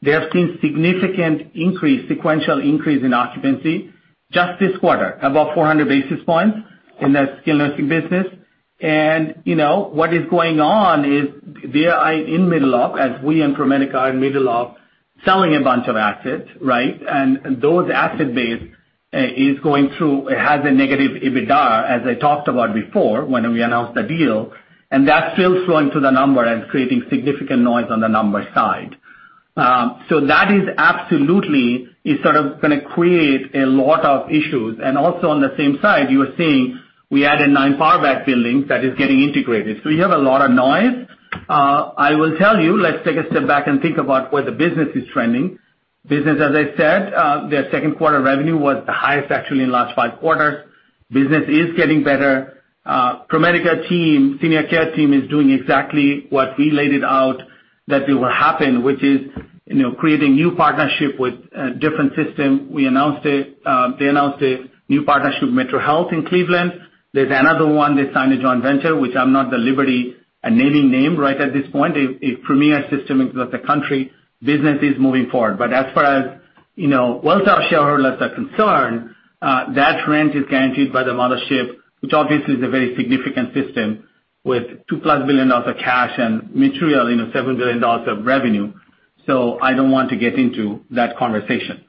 They have seen significant increase, sequential increase in occupancy just this quarter, above 400 basis points in the skilled nursing business. What is going on is they are in middle of, as we and ProMedica are in middle of selling a bunch of assets, right? It has a negative EBITDA, as I talked about before when we announced the deal, and that's still flowing through the number and creating significant noise on the number side. That is absolutely is sort of going to create a lot of issues. Also on the same side, you are seeing we added 9 PowerBack buildings that is getting integrated. You have a lot of noise. I will tell you, let's take a step back and think about where the business is trending. Business, as I said, their second quarter revenue was the highest actually in last five quarters. Business is getting better. ProMedica team, Senior Care team is doing exactly what we laid it out that it will happen, which is creating new partnership with different system. They announced a new partnership with MetroHealth in Cleveland. There's another one they signed a joint venture, which I'm not at liberty naming name right at this point. A premier system into the country. Business is moving forward. As far as Welltower shareholders are concerned, that rent is guaranteed by the mothership, which obviously is a very significant system with $2+ billion of cash and material, $7 billion of revenue. I don't want to get into that conversation.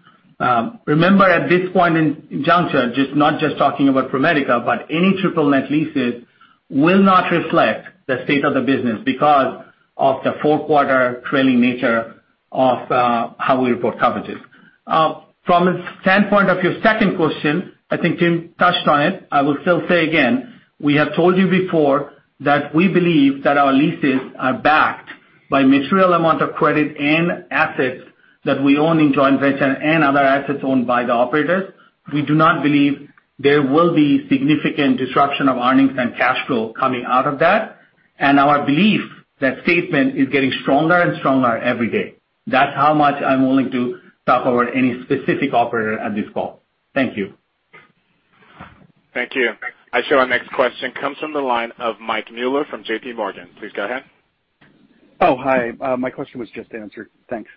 Remember at this point in juncture, not just talking about ProMedica, but any triple net leases will not reflect the state of the business because of the four quarter trailing nature of how we report coverages. From a standpoint of your second question, I think Tim touched on it. I will still say again, we have told you before that we believe that our leases are backed by material amount of credit and assets that we own in joint venture and other assets owned by the operators. We do not believe there will be significant disruption of earnings and cash flow coming out of that. Our belief, that statement is getting stronger and stronger every day. That's how much I'm willing to talk about any specific operator on this call. Thank you. Thank you. I show our next question comes from the line of Michael Mueller from JPMorgan. Please go ahead. Hi. My question was just answered. Thanks.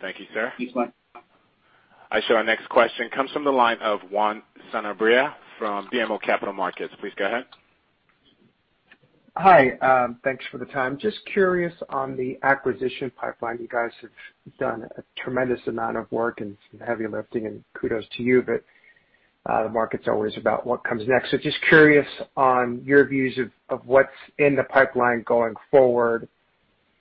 Thank you, sir. Thanks, bye. I show our next question comes from the line of Juan Sanabria from BMO Capital Markets. Please go ahead. Hi. Thanks for the time. Just curious on the acquisition pipeline. You guys have done a tremendous amount of work and some heavy lifting, and kudos to you, but the market's always about what comes next. Just curious on your views of what's in the pipeline going forward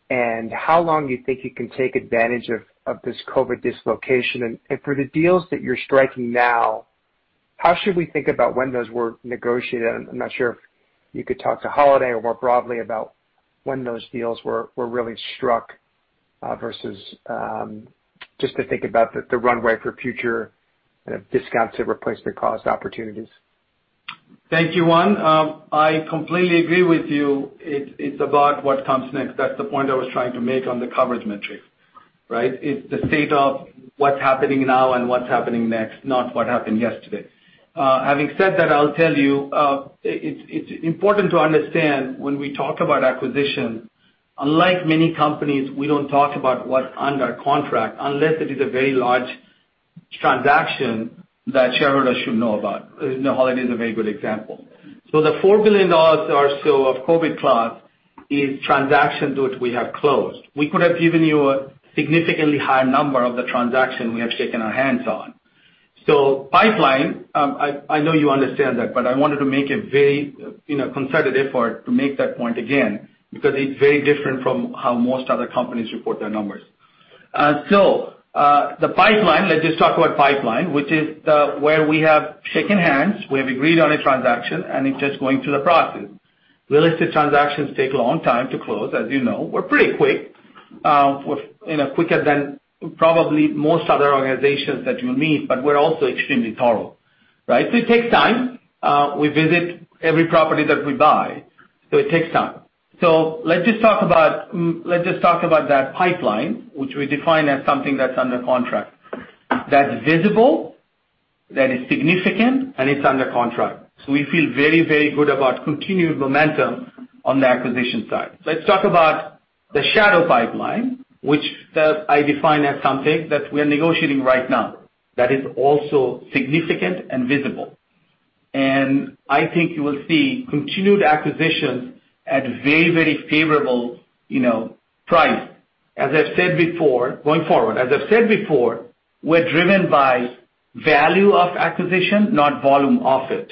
and how long you think you can take advantage of this COVID dislocation. For the deals that you're striking now, how should we think about when those were negotiated? I'm not sure if you could talk to Holiday or more broadly about when those deals were really struck, versus just to think about the runway for future kind of discounts or replacement cost opportunities. Thank you, Juan. I completely agree with you. It's about what comes next. That's the point I was trying to make on the coverage metric, right? It's the state of what's happening now and what's happening next, not what happened yesterday. Having said that, I'll tell you, it's important to understand when we talk about acquisition, unlike many companies, we don't talk about what's under contract unless it is a very large transaction that shareholders should know about. Holiday is a very good example. The $4 billion or so of COVID clause is transactions which we have closed. We could have given you a significantly higher number of the transaction we have shaken our hands on. Pipeline, I know you understand that, but I wanted to make a very concerted effort to make that point again, because it's very different from how most other companies report their numbers. The pipeline, let's just talk about pipeline, which is where we have shaken hands, we have agreed on a transaction, and it's just going through the process. Real estate transactions take a long time to close, as you know. We're pretty quick, quicker than probably most other organizations that you'll meet, but we're also extremely thorough, right? It takes time. We visit every property that we buy, so it takes time. Let's just talk about that pipeline, which we define as something that's under contract, that's visible, that is significant, and it's under contract. We feel very, very good about continued momentum on the acquisition side. Let's talk about the shadow pipeline, which I define as something that we are negotiating right now, that is also significant and visible. I think you will see continued acquisitions at very, very favorable price. As I've said before, going forward, as I've said before, we're driven by value of acquisition, not volume of it,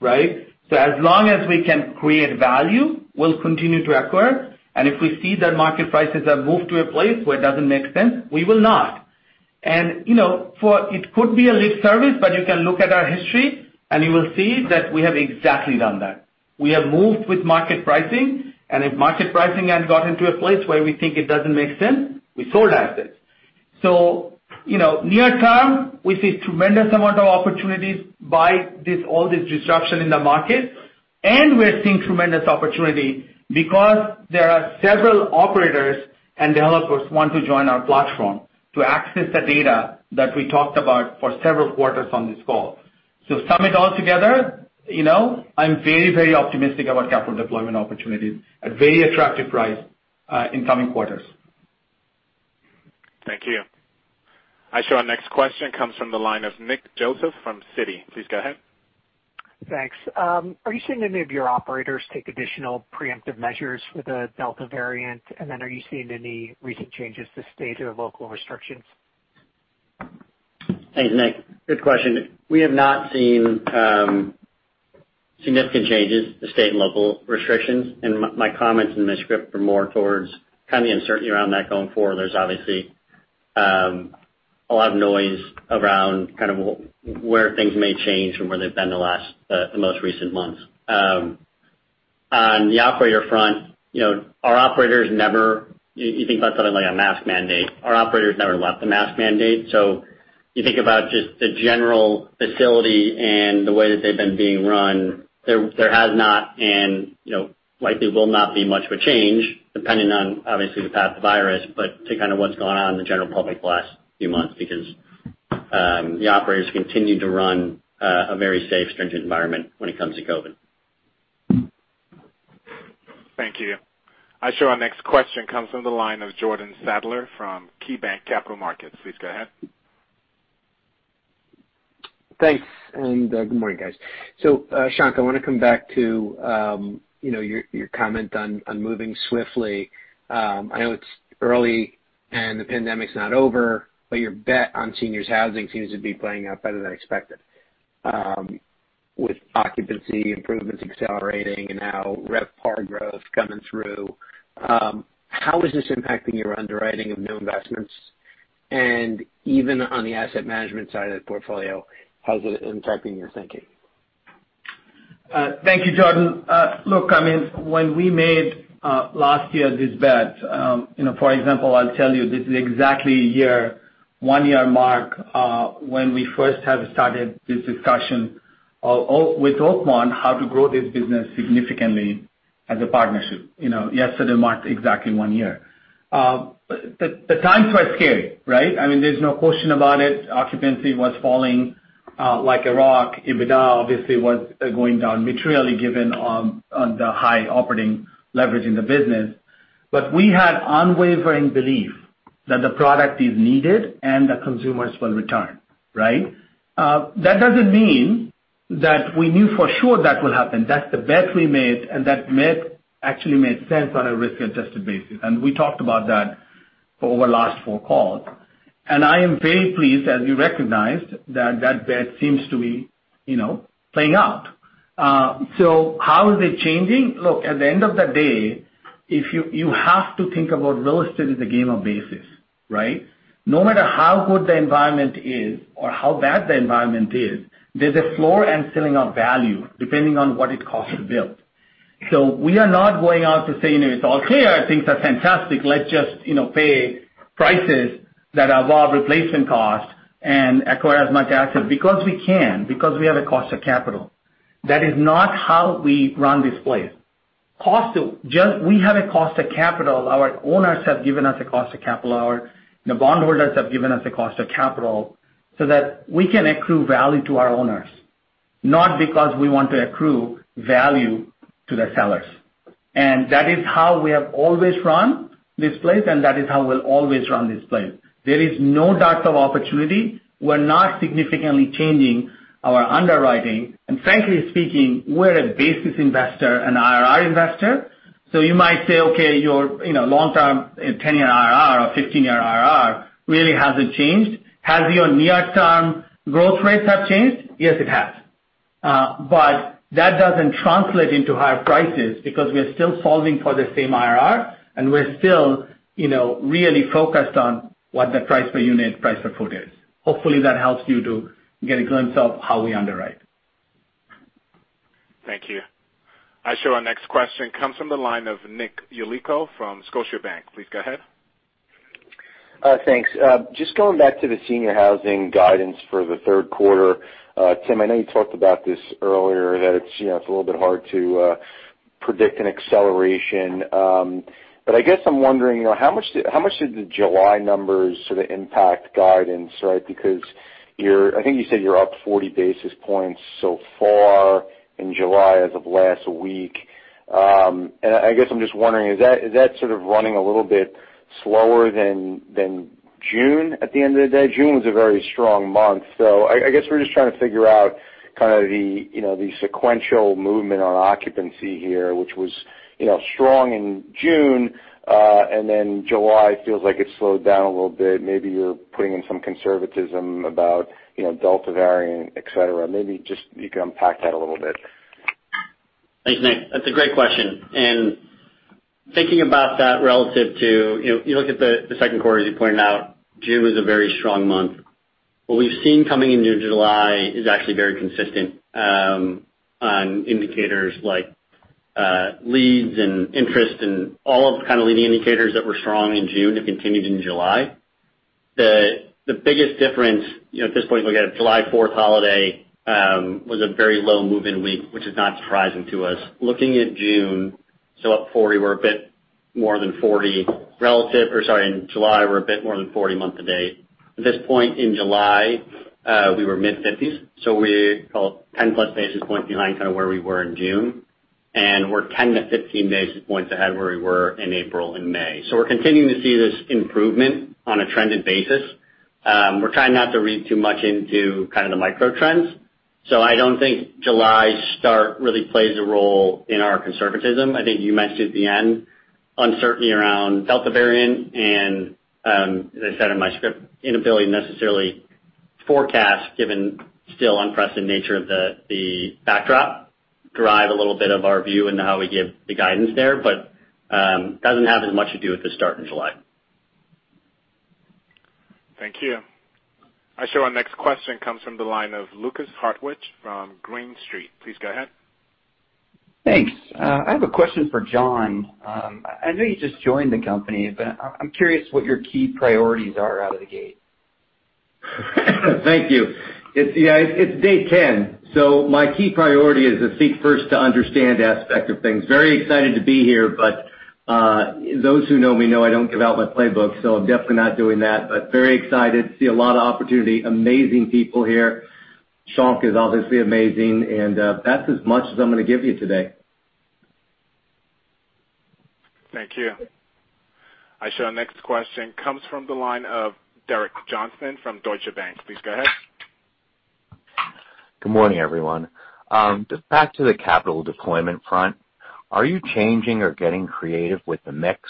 right? As long as we can create value, we'll continue to acquire. If we see that market prices have moved to a place where it doesn't make sense, we will not. It could be a lip service, but you can look at our history, and you will see that we have exactly done that. We have moved with market pricing, and if market pricing has gotten to a place where we think it doesn't make sense, we sold assets. Near term, we see tremendous amount of opportunities by all this disruption in the market, and we're seeing tremendous opportunity because there are several operators and developers who want to join our platform to access the data that we talked about for several quarters on this call. To sum it all together, I'm very, very optimistic about capital deployment opportunities at very attractive price, in coming quarters. Thank you. I show our next question comes from the line of Nicholas Joseph from Citi. Please go ahead. Thanks. Are you seeing any of your operators take additional preemptive measures for the Delta variant? Are you seeing any recent changes to state or local restrictions? Thanks, Nick. Good question. We have not seen significant changes to state and local restrictions, and my comments in my script were more towards kind of the uncertainty around that going forward. There's obviously a lot of noise around where things may change from where they've been the most recent months. On the operator front. You think about something like a mask mandate. Our operators never left the mask mandate. You think about just the general facility and the way that they've been being run, there has not and likely will not be much of a change depending on, obviously, the path of the virus, but to kind of what's gone on in the general public the last few months, because the operators continue to run a very safe, stringent environment when it comes to COVID. Thank you. I show our next question comes from the line of Jordan Sadler from KeyBanc Capital Markets. Please go ahead. Thanks, good morning, guys. Shankh, I want to come back to your comment on moving swiftly. I know it's early and the pandemic's not over, but your bet on seniors housing seems to be playing out better than expected, with occupancy improvements accelerating and now RevPAR growth coming through. How is this impacting your underwriting of new investments? Even on the asset management side of the portfolio, how is it impacting your thinking? Thank you, Jordan. Look, when we made last year this bet, for example, I will tell you, this is exactly one year mark when we first have started this discussion with Oakmont how to grow this business significantly as a partnership. Yesterday marked exactly one year. The times were scary, right? There is no question about it. Occupancy was falling like a rock. EBITDA obviously was going down materially given the high operating leverage in the business. We had unwavering belief that the product is needed and the consumers will return, right? That does not mean that we knew for sure that will happen. That is the bet we made and that actually made sense on a risk-adjusted basis. We talked about that over last four calls. I am very pleased, as you recognized, that that bet seems to be playing out. How is it changing? Look, at the end of the day, you have to think about real estate as a game of basis, right? No matter how good the environment is or how bad the environment is, there's a floor and ceiling of value depending on what it costs to build. We are not going out to say it's all clear and things are fantastic, let's just pay prices that are above replacement costs and acquire as much assets because we can, because we have a cost of capital. That is not how we run this place. We have a cost of capital. Our owners have given us a cost of capital. Our bondholders have given us a cost of capital so that we can accrue value to our owners, not because we want to accrue value to the sellers. That is how we have always run this place, and that is how we'll always run this place. There is no dearth of opportunity. We're not significantly changing our underwriting. Frankly speaking, we're a basis investor, an IRR investor. You might say, okay, your long-term 10-year IRR or 15-year IRR really hasn't changed. Has your near-term growth rates have changed? Yes, it has. That doesn't translate into higher prices because we are still solving for the same IRR, and we're still really focused on what the price per unit, price per foot is. Hopefully, that helps you to get a glimpse of how we underwrite. Thank you. I show our next question comes from the line of Nick Yulico from Scotiabank. Please go ahead. Thanks. Just going back to the senior housing guidance for the third quarter. Tim, I know you talked about this earlier, that it's a little bit hard to predict an acceleration. I guess I'm wondering, how much did the July numbers sort of impact guidance, right? Because I think you said you're up 40 basis points so far in July as of last week. I guess I'm just wondering, is that sort of running a little bit slower than June at the end of the day? June was a very strong month. I guess we're just trying to figure out kind of the sequential movement on occupancy here, which was strong in June, and then July feels like it slowed down a little bit. Maybe you're putting in some conservatism about Delta variant, et cetera. Maybe just you can unpack that a little bit. Thanks, Nick. That's a great question. Thinking about that, you look at the second quarter, as you pointed out, June was a very strong month. What we've seen coming into July is actually very consistent on indicators like leads and interest and all of the kind of leading indicators that were strong in June have continued in July. The biggest difference, at this point, we've got a July 4th holiday, was a very low move-in week, which is not surprising to us. Looking at June, up 40, we're a bit more than 40 in July, we're a bit more than 40 month-to-date. At this point in July, we were mid-50s. We call it 10+ basis points behind kind of where we were in June. We're 10-15 basis points ahead where we were in April and May. We're continuing to see this improvement on a trended basis. We're trying not to read too much into kind of the micro trends. I don't think July's start really plays a role in our conservatism. I think you mentioned at the end, uncertainty around Delta variant and, as I said in my script, inability to necessarily forecast given still unprecedented nature of the backdrop, drive a little bit of our view into how we give the guidance there, but doesn't have as much to do with the start in July. Thank you. I show our next question comes from the line of Lukas Hartwich from Green Street. Please go ahead. Thanks. I have a question for John. I know you just joined the company, but I'm curious what your key priorities are out of the gate. Thank you. It's day 10, so my key priority is to seek first to understand aspect of things. Very excited to be here, but those who know me know I don't give out my playbook, so I'm definitely not doing that, but very excited. See a lot of opportunity. Amazing people here. Shankh is obviously amazing, and that's as much as I'm going to give you today. Thank you. I show our next question comes from the line of Derek Johnston from Deutsche Bank. Please go ahead. Good morning, everyone. Back to the capital deployment front, are you changing or getting creative with the mix?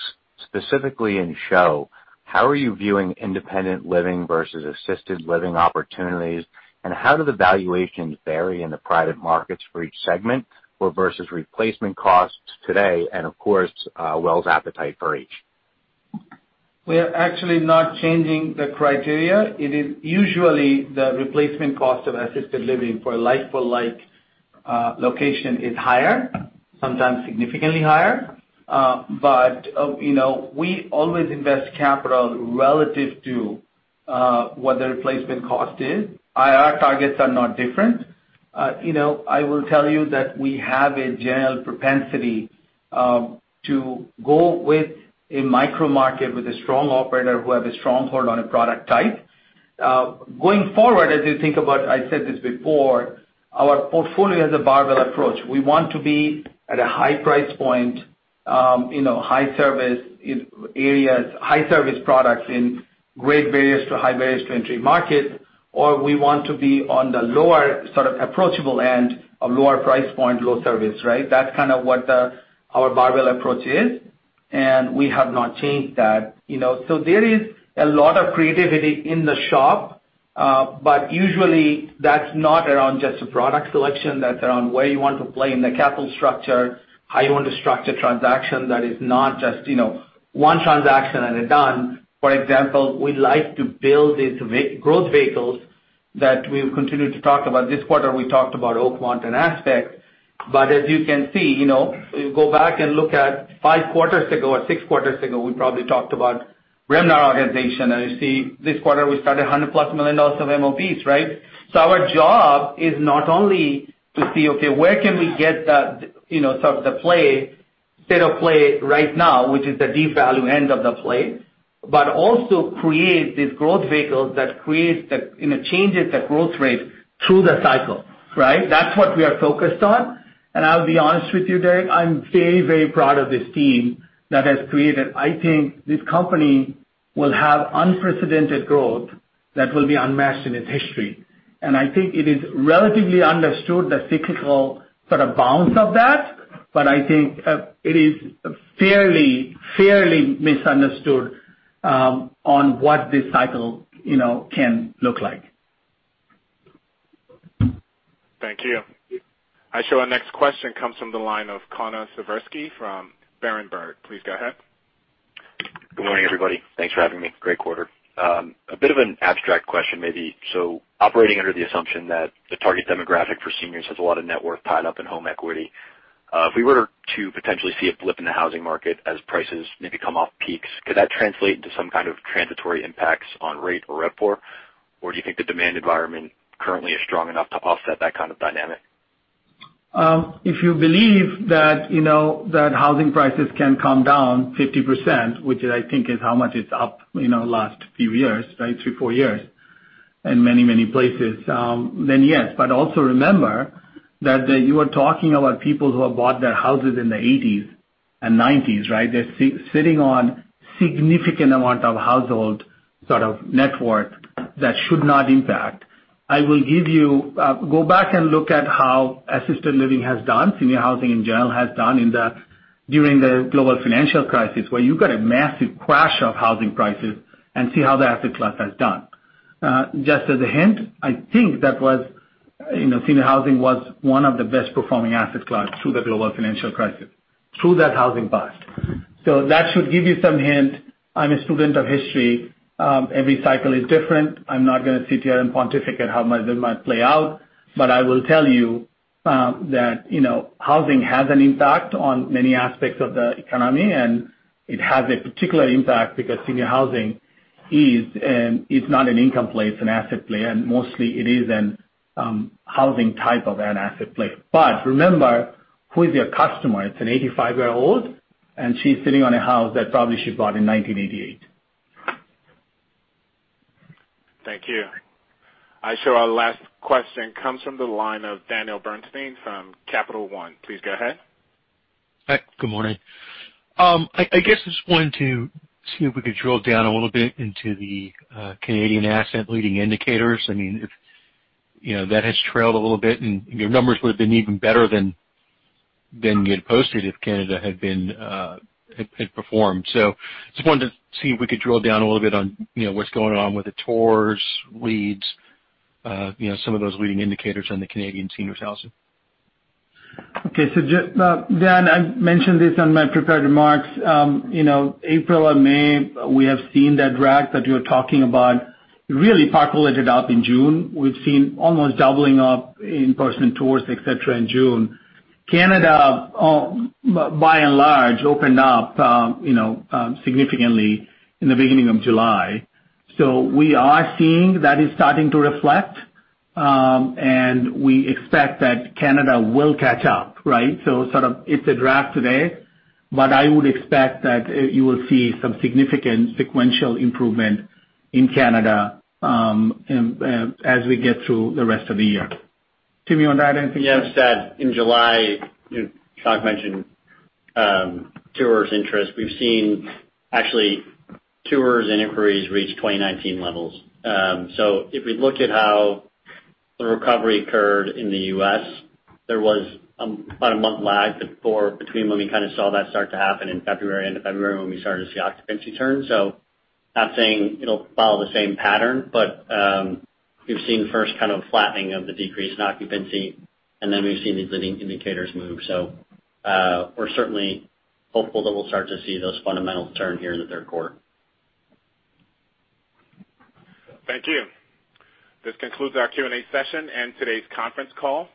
Specifically in SHOP, how are you viewing Independent Living versus Assisted Living opportunities, and how do the valuations vary in the private markets for each segment or versus replacement costs today? Of course, Welltower's appetite for each. We are actually not changing the criteria. It is usually the replacement cost of Assisted Living for a like-for-like location is higher, sometimes significantly higher. We always invest capital relative to what the replacement cost is. IRR targets are not different. I will tell you that we have a general propensity to go with a micro market with a strong operator who have a strong hold on a product type. Going forward, as you think about, I said this before, our portfolio has a barbell approach. We want to be at a high price point, high service areas, high service products in high barriers to entry market, or we want to be on the lower sort of approachable end of lower price point, low service, right? That's kind of what our barbell approach is. We have not changed that. There is a lot of creativity in the SHOP, but usually that's not around just a product selection. That's around where you want to play in the capital structure, how you want to structure transaction that is not just one transaction and done. For example, we like to build these growth vehicles that we've continued to talk about. This quarter, we talked about Oakmont and Aspect. As you can see, if you go back and look at five quarters ago or six quarters ago, we probably talked about Bremner organization. You see this quarter, we started $100+ million of MOBs, right? Our job is not only to see, okay, where can we get the play state of play right now, which is the deep value end of the play, but also create these growth vehicles that changes the growth rate through the cycle. That's what we are focused on. I'll be honest with you, Derek, I'm very, very proud of this team that has created. I think this company will have unprecedented growth that will be unmatched in its history. I think it is relatively understood, the cyclical sort of bounce of that, but I think it is fairly misunderstood on what this cycle can look like. Thank you. I show our next question comes from the line of Connor Siversky from Berenberg. Please go ahead. Good morning, everybody. Thanks for having me. Great quarter. A bit of an abstract question, maybe. Operating under the assumption that the target demographic for seniors has a lot of net worth tied up in home equity. If we were to potentially see a blip in the housing market as prices maybe come off peaks, could that translate into some kind of transitory impacts on rate or RevPOR? Do you think the demand environment currently is strong enough to offset that kind of dynamic? If you believe that housing prices can come down 50%, which I think is how much it's up last few years, three, four years in many, many places, then yes. Also remember that you are talking about people who have bought their houses in the '80s and '90s. They're sitting on significant amount of household sort of net worth that should not impact. Go back and look at how assisted living has done, senior housing in general has done during the Global Financial Crisis, where you got a massive crash of housing prices and see how the asset class has done. Just as a hint, I think senior housing was one of the best performing asset class through the Global Financial Crisis, through that housing bust. That should give you some hint. I'm a student of history. Every cycle is different. I'm not going to sit here and pontificate how my zoom might play out, but I will tell you that housing has an impact on many aspects of the economy, and it has a particular impact because senior housing is not an income play, it's an asset play, and mostly it is an housing type of an asset play. But remember, who is your customer? It's an 85-year-old, and she's sitting on a house that probably she bought in 1988. Thank you. I show our last question comes from the line of Daniel Bernstein from Capital One. Please go ahead. Hi, good morning. I guess I just wanted to see if we could drill down a little bit into the Canadian asset leading indicators. That has trailed a little bit and your numbers would have been even better than you had posted if Canada had performed. Just wanted to see if we could drill down a little bit on what's going on with the tours, leads, some of those leading indicators on the Canadian seniors housing. Okay. Dan, I mentioned this on my prepared remarks. April and May, we have seen that drag that you're talking about really populated up in June. We've seen almost doubling up in person tours, et cetera, in June. Canada, by and large, opened up significantly in the beginning of July. We are seeing that is starting to reflect, and we expect that Canada will catch up. It's a drag today, but I would expect that you will see some significant sequential improvement in Canada as we get through the rest of the year. Tim, you want to add anything? Yeah, I'd said in July, Shankh mentioned tours interest. We've seen actually tours and inquiries reach 2019 levels. If we look at how the recovery occurred in the U.S., there was about a month lag before between when we kind of saw that start to happen in February, end of February, when we started to see occupancy turn. Not saying it'll follow the same pattern, but we've seen first kind of flattening of the decrease in occupancy, and then we've seen these leading indicators move. We're certainly hopeful that we'll start to see those fundamentals turn here in the third quarter. Thank you. This concludes our Q&A session and today's conference call.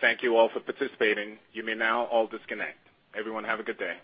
Thank you all for participating. You may now all disconnect. Everyone have a good day.